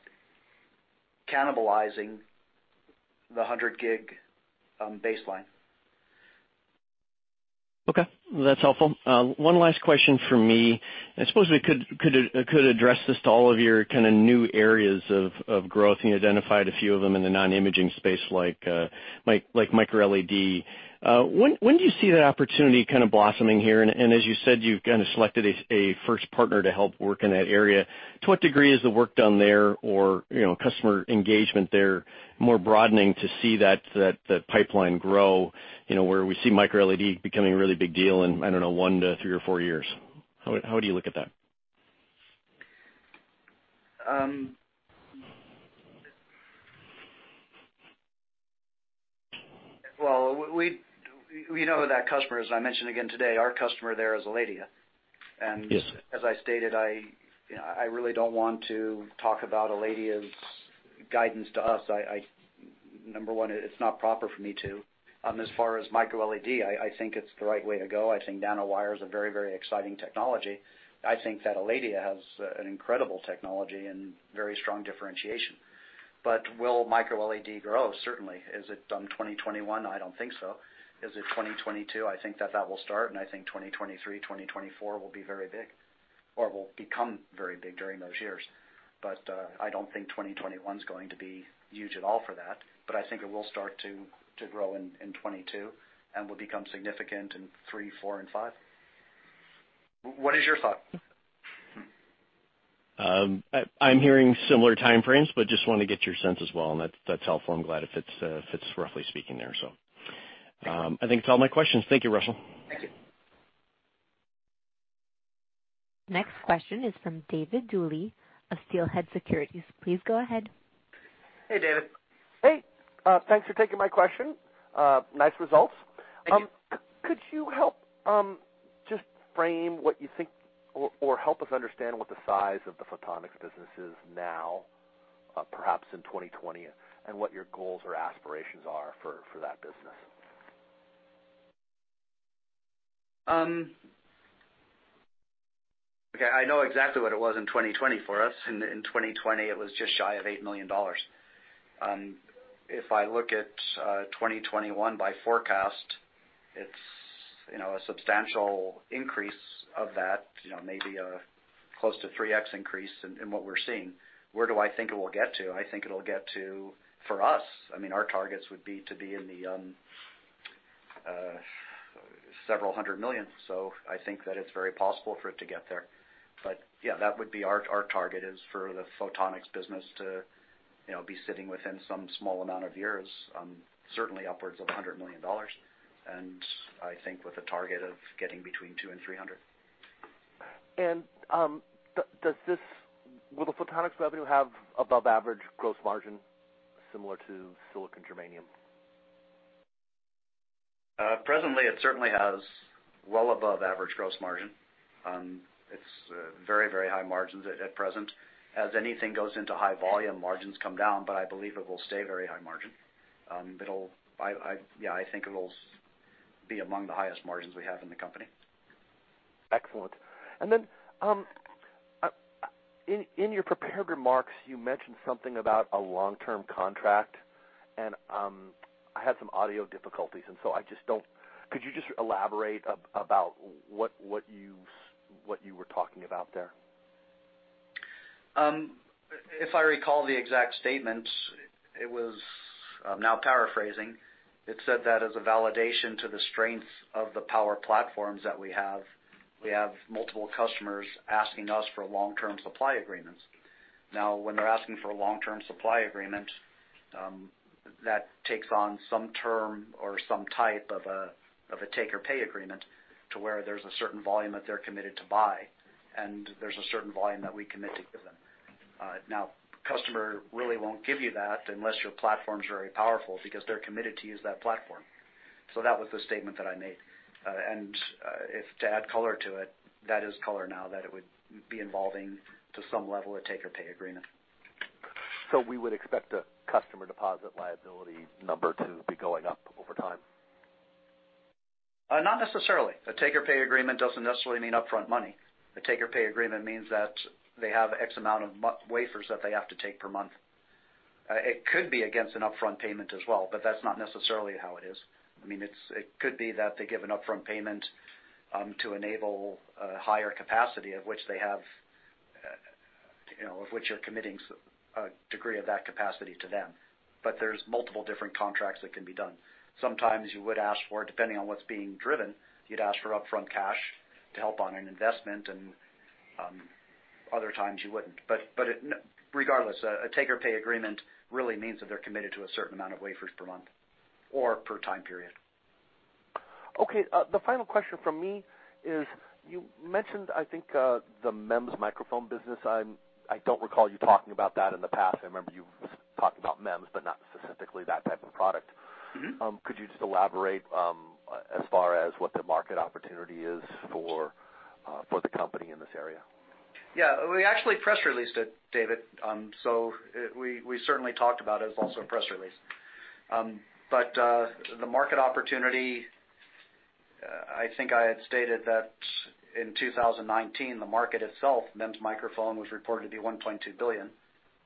cannibalizing the 100-gig baseline. Okay. That's helpful. One last question for me. I suppose we could address this to all of your kind of new areas of growth. You identified a few of them in the non-imaging space like micro-LED. When do you see that opportunity kind of blossoming here? As you said, you've kind of selected a first partner to help work in that area. To what degree is the work done there or customer engagement there more broadening to see that pipeline grow where we see micro-LED becoming a really big deal in, I don't know, one to three or four years? How would you look at that? We know that customer, as I mentioned again today, our customer there is Aledia. As I stated, I really don't want to talk about Aledia's guidance to us. Number one, it's not proper for me to. As far as micro-LED, I think it's the right way to go. I think nanowires are a very, very exciting technology. I think that Aledia has an incredible technology and very strong differentiation. Will micro-LED grow? Certainly. Is it 2021? I don't think so. Is it 2022? I think that that will start. I think 2023, 2024 will be very big or will become very big during those years. I do not think 2021 is going to be huge at all for that. I think it will start to grow in 2022 and will become significant in 2023, 2024, and 2025. What is your thought? I am hearing similar time frames, just want to get your sense as well. That is helpful. I am glad if it is roughly speaking there. I think that is all my questions. Thank you, Russell. Thank you. Next question is from David Duley of Steelhead Securities. Please go ahead. Hey, David. Hey. Thanks for taking my question. Nice results. Thank you. Could you help just frame what you think or help us understand what the size of the Photonics business is now, perhaps in 2020, and what your goals or aspirations are for that business? Okay. I know exactly what it was in 2020 for us. In 2020, it was just shy of $8 million. If I look at 2021 by forecast, it's a substantial increase of that, maybe a close to 3x increase in what we're seeing. Where do I think it will get to? I think it'll get to, for us, I mean, our targets would be to be in the several hundred million. I think that it's very possible for it to get there. That would be our target is for the Photonics business to be sitting within some small amount of years, certainly upwards of $100 million. I think with a target of getting between two and 300. Will the Photonics revenue have above-average gross margin similar to silicon germanium? Presently, it certainly has well above-average gross margin. It's very, very high margins at present. As anything goes into high volume, margins come down, but I believe it will stay very high margin. I think it'll be among the highest margins we have in the company. Excellent. In your prepared remarks, you mentioned something about a long-term contract. I had some audio difficulties. I just don't—could you just elaborate about what you were talking about there? If I recall the exact statement, it was—I'm now paraphrasing. It said that as a validation to the strength of the power platforms that we have. We have multiple customers asking us for long-term supply agreements. Now, when they're asking for a long-term supply agreement, that takes on some term or some type of a take-or-pay agreement to where there's a certain volume that they're committed to buy, and there's a certain volume that we commit to give them. A customer really won't give you that unless your platform is very powerful because they're committed to use that platform. That was the statement that I made. To add color to it, that is color now that it would be involving to some level a take-or-pay agreement. We would expect the customer deposit liability number to be going up over time? Not necessarily. A take-or-pay agreement doesn't necessarily mean upfront money. A take-or-pay agreement means that they have X amount of wafers that they have to take per month. It could be against an upfront payment as well, but that's not necessarily how it is. I mean, it could be that they give an upfront payment to enable a higher capacity of which they have—of which you're committing a degree of that capacity to them. There are multiple different contracts that can be done. Sometimes you would ask for, depending on what's being driven, you'd ask for upfront cash to help on an investment. Other times, you wouldn't. Regardless, a take-or-pay agreement really means that they're committed to a certain amount of wafers per month or per time period. Okay. The final question from me is you mentioned, I think, the MEMS microphone business. I don't recall you talking about that in the past. I remember you talked about MEMS, but not specifically that type of product. Could you just elaborate as far as what the market opportunity is for the company in this area? Yeah. We actually press released it, David. We certainly talked about it as also a press release. The market opportunity, I think I had stated that in 2019, the market itself, MEMS microphone, was reported to be $1.2 billion.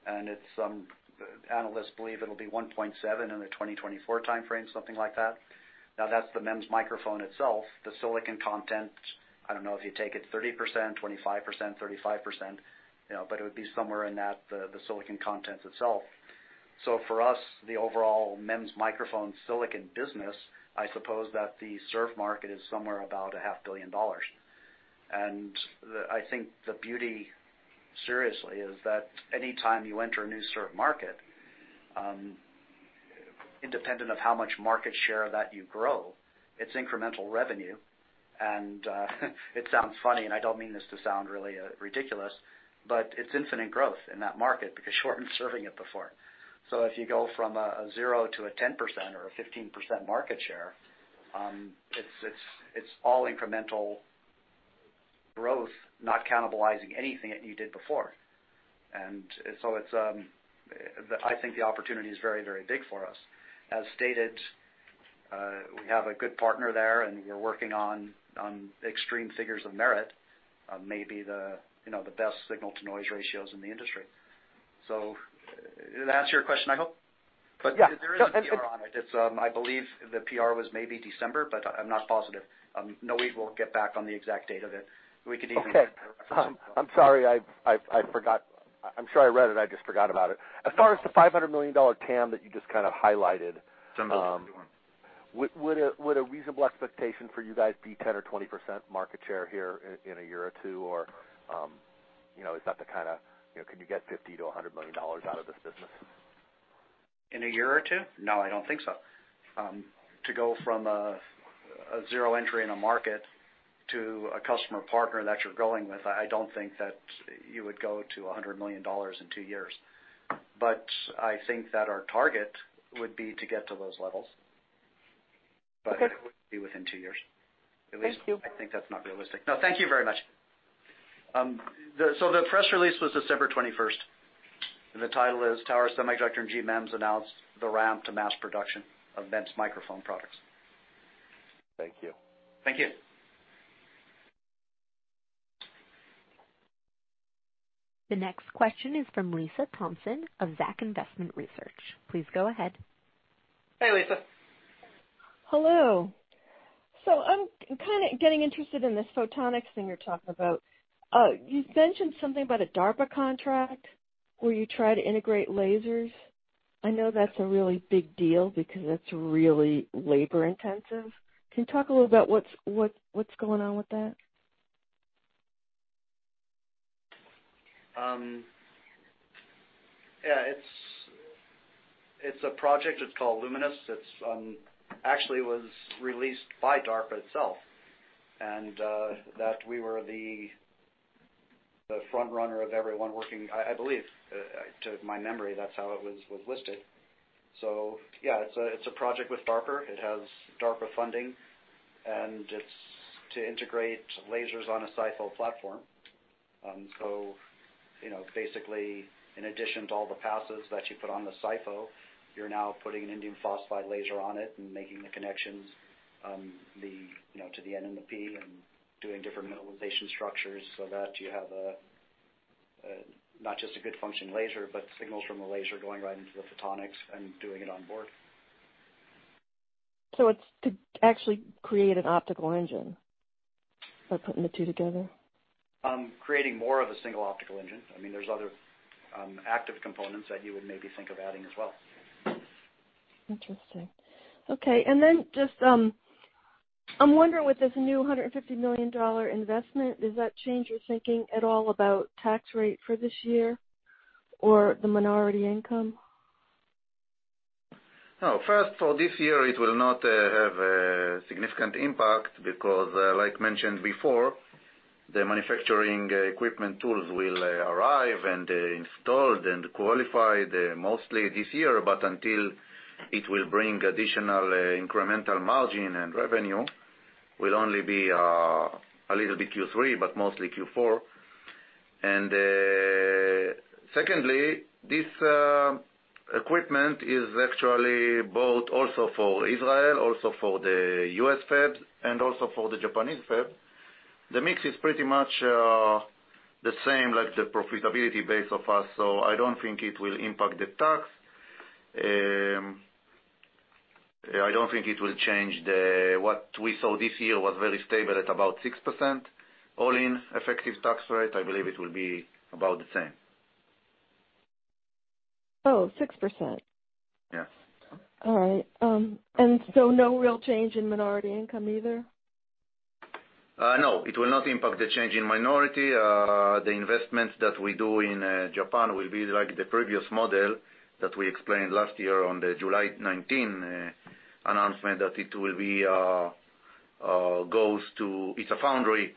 Analysts believe it'll be $1.7 billion in the 2024 time frame, something like that. Now, that's the MEMS microphone itself. The silicon content, I don't know if you take it 30%, 25%, 35%, but it would be somewhere in that, the silicon content itself. For us, the overall MEMS microphone silicon business, I suppose that the surf market is somewhere about $500,000,000. I think the beauty, seriously, is that anytime you enter a new surf market, independent of how much market share that you grow, it's incremental revenue. It sounds funny, and I don't mean this to sound really ridiculous, but it's infinite growth in that market because you weren't serving it before. If you go from a zero to a 10% or a 15% market share, it's all incremental growth, not cannibalizing anything that you did before. I think the opportunity is very, very big for us. As stated, we have a good partner there, and we're working on extreme figures of merit, maybe the best signal-to-noise ratios in the industry. That's your question, I hope? There is a PR on it. I believe the PR was maybe December, but I'm not positive. Noit will get back on the exact date of it. We could even reference it. I'm sorry. I forgot. I'm sure I read it. I just forgot about it. As far as the $500 million TAM that you just kind of highlighted. Similar to the one. Would a reasonable expectation for you guys be 10% or 20% market share here in a year or two? Is that the kind of can you get $50-$100 million out of this business In a year or two? No, I don't think so. To go from a zero entry in a market to a customer partner that you're going with, I don't think that you would go to $100 million in two years. I think that our target would be to get to those levels, but it would be within two years at least. Thank you. I think that's not realistic. No, thank you very much. The press release was December 21st. The title is, "Tower Semiconductor and GMM Announced the Ramp to Mass Production of MEMS Microphone Products." Thank you. Thank you. The next question is from Lisa Thompson of ZACKS Investment Research. Please go ahead. Hey, Lisa. Hello. I'm kind of getting interested in this photonics thing you're talking about. You mentioned something about a DARPA contract where you try to integrate lasers. I know that's a really big deal because that's really labor-intensive. Can you talk a little about what's going on with that? Yeah. It's a project. It's called Luminous. It actually was released by DARPA itself and that we were the front runner of everyone working. I believe, to my memory, that's how it was listed. Yeah, it's a project with DARPA. It has DARPA funding. It's to integrate lasers on a silicon photonics platform. Basically, in addition to all the passes that you put on the SIFO, you're now putting an indium phosphide laser on it and making the connections to the N and the P and doing different minimization structures so that you have not just a good functioning laser, but signals from the laser going right into the photonics and doing it on board. It is to actually create an optical engine by putting the two together, creating more of a single optical engine. I mean, there's other active components that you would maybe think of adding as well. Interesting. Okay. I am wondering with this new $150 million investment, does that change your thinking at all about tax rate for this year or the minority income? No. First of all, this year, it will not have a significant impact because, like mentioned before, the manufacturing equipment tools will arrive and be installed and qualified mostly this year. Until it will bring additional incremental margin and revenue, it will only be a little bit Q3, but mostly Q4. Secondly, this equipment is actually both also for Israel, also for the U.S. fab, and also for the Japanese fab. The mix is pretty much the same, like the profitability base of us. I do not think it will impact the tax. I do not think it will change. What we saw this year was very stable at about 6% all-in effective tax rate. I believe it will be about the same. Oh, 6%. Yeah. All right. No real change in minority income either? No. It will not impact the change in minority. The investment that we do in Japan will be like the previous model that we explained last year on the July 19 announcement that it will be goes to it's a foundry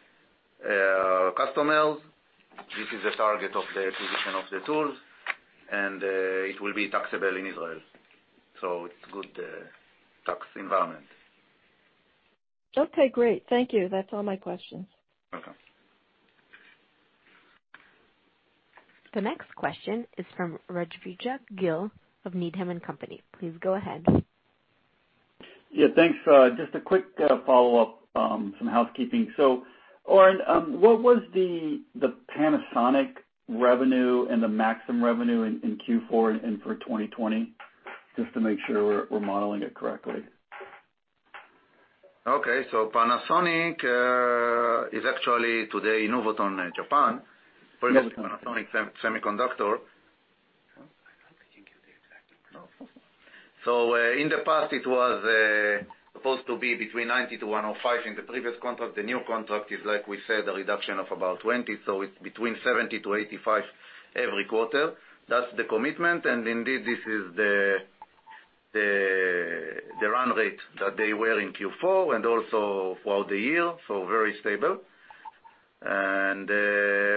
customers. This is the target of the acquisition of the tools. And it will be taxable in Israel. So it's a good tax environment. Okay. Great. Thank you. That's all my questions. Welcome. The next question is from Rajvindra Gill of Needham & Company. Please go ahead. Yeah. Thanks. Just a quick follow-up, some housekeeping. So Oren, what was the Panasonic revenue and the Maxim revenue in Q4 and for 2020? Just to make sure we're modeling it correctly. Okay. So Panasonic is actually today Novoton Japan, first Panasonic Semiconductor. I don't think you can get the exact number. So in the past, it was supposed to be between $90 million-$105 million in the previous contract. The new contract is, like we said, a reduction of about $20 million. So it's between $70 million-$85 million every quarter. That's the commitment. Indeed, this is the run rate that they were in Q4 and also throughout the year. Very stable.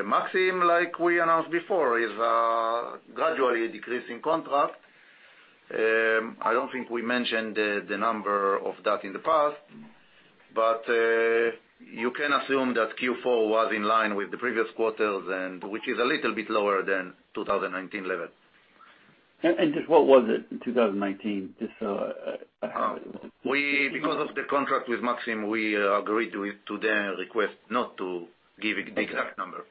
Maxim, like we announced before, is a gradually decreasing contract. I don't think we mentioned the number of that in the past. You can assume that Q4 was in line with the previous quarters, which is a little bit lower than 2019 level. What was it in 2019? Because of the contract with Maxim, we agreed to their request not to give a bigger number.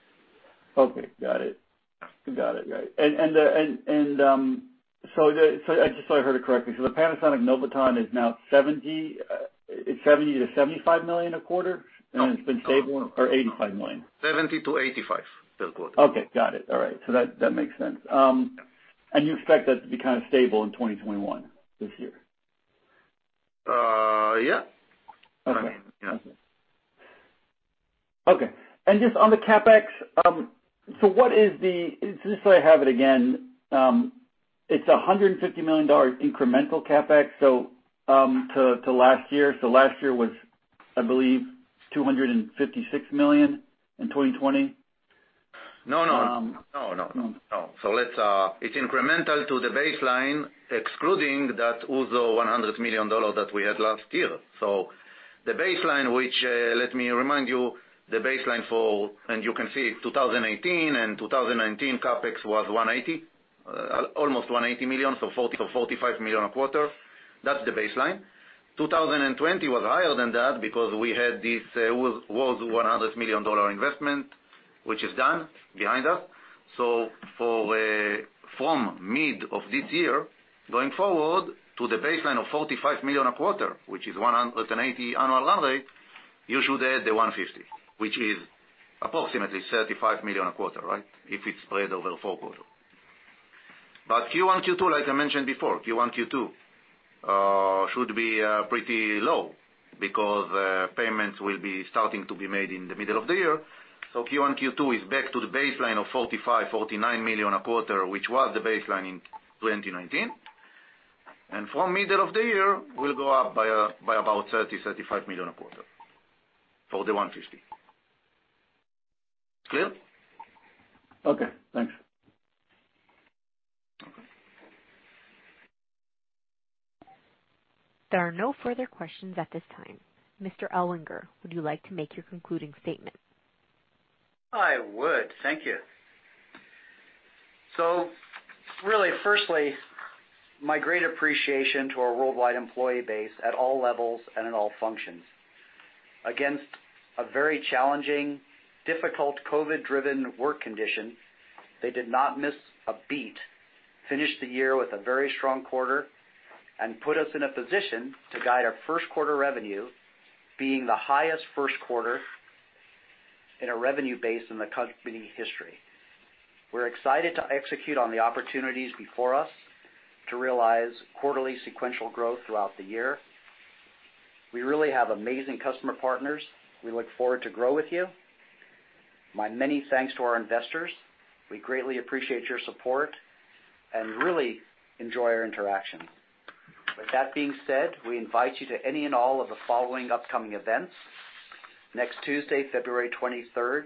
Okay. Got it. Got it. Right. Just so I heard it correctly, the Panasonic Novoton is now $70 million-$85 million a quarter, and it's been stable or $85 million? $70 million-$85 million per quarter. Okay. Got it. All right. That makes sense. You expect that to be kind of stable in 2021 this year? Yeah. I mean, yeah. Okay. Just on the CapEx, what is the—just so I have it again, it's a $150 million incremental CapEx to last year. Last year was, I believe, $256 million in 2020. No, no. No, no, no, no. It's incremental to the baseline, excluding that also $100 million that we had last year. The baseline, which let me remind you, the baseline for—and you can see 2018 and 2019 CapEx was almost $180 million, so $45 million a quarter. That's the baseline. 2020 was higher than that because we had this was $100 million investment, which is done behind us. From mid of this year going forward to the baseline of $45 million a quarter, which is $180 million annual run rate, you should add the $150 million, which is approximately $35 million a quarter, right, if it's spread over four quarters. Q1, Q2, like I mentioned before, Q1, Q2 should be pretty low because payments will be starting to be made in the middle of the year. Q1, Q2 is back to the baseline of $45 million-$49 million a quarter, which was the baseline in 2019. From middle of the year, we'll go up by about $30 million-$35 million a quarter for the $150 million. Clear? Okay. Thanks. Okay. There are no further questions at this time. Mr. Ellwanger, would you like to make your concluding statement? I would. Thank you. Firstly, my great appreciation to our worldwide employee base at all levels and at all functions. Against a very challenging, difficult COVID-driven work condition, they did not miss a beat, finished the year with a very strong quarter, and put us in a position to guide our first quarter revenue, being the highest first quarter in a revenue base in the company history. We are excited to execute on the opportunities before us to realize quarterly sequential growth throughout the year. We really have amazing customer partners. We look forward to grow with you. My many thanks to our investors. We greatly appreciate your support and really enjoy our interaction. With that being said, we invite you to any and all of the following upcoming events. Next Tuesday, February 23rd,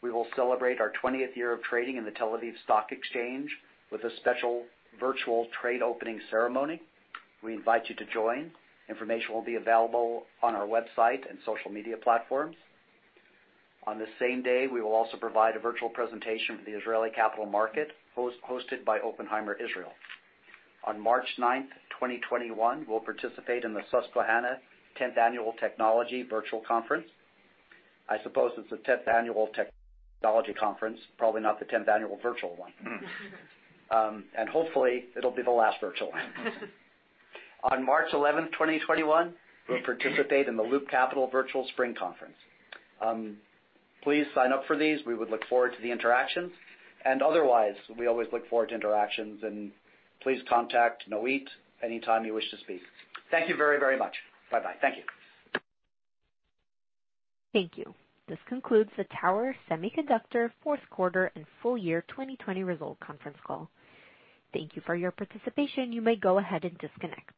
we will celebrate our 20th year of trading in the Tel Aviv Stock Exchange with a special virtual trade opening ceremony. We invite you to join. Information will be available on our website and social media platforms. On the same day, we will also provide a virtual presentation for the Israeli capital market hosted by Oppenheimer Israel. On March 9th, 2021, we'll participate in the Susquehanna 10th Annual Technology Virtual Conference. I suppose it's the 10th Annual Technology Conference, probably not the 10th Annual Virtual one. Hopefully, it'll be the last virtual one. On March 11th, 2021, we'll participate in the Loop Capital Virtual Spring Conference. Please sign up for these. We would look forward to the interactions. Otherwise, we always look forward to interactions. Please contact Noit anytime you wish to speak. Thank you very, very much. Bye-bye. Thank you. Thank you. This concludes the Tower Semiconductor Fourth Quarter and Full Year 2020 Result Conference Call. Thank you for your participation. You may go ahead and disconnect.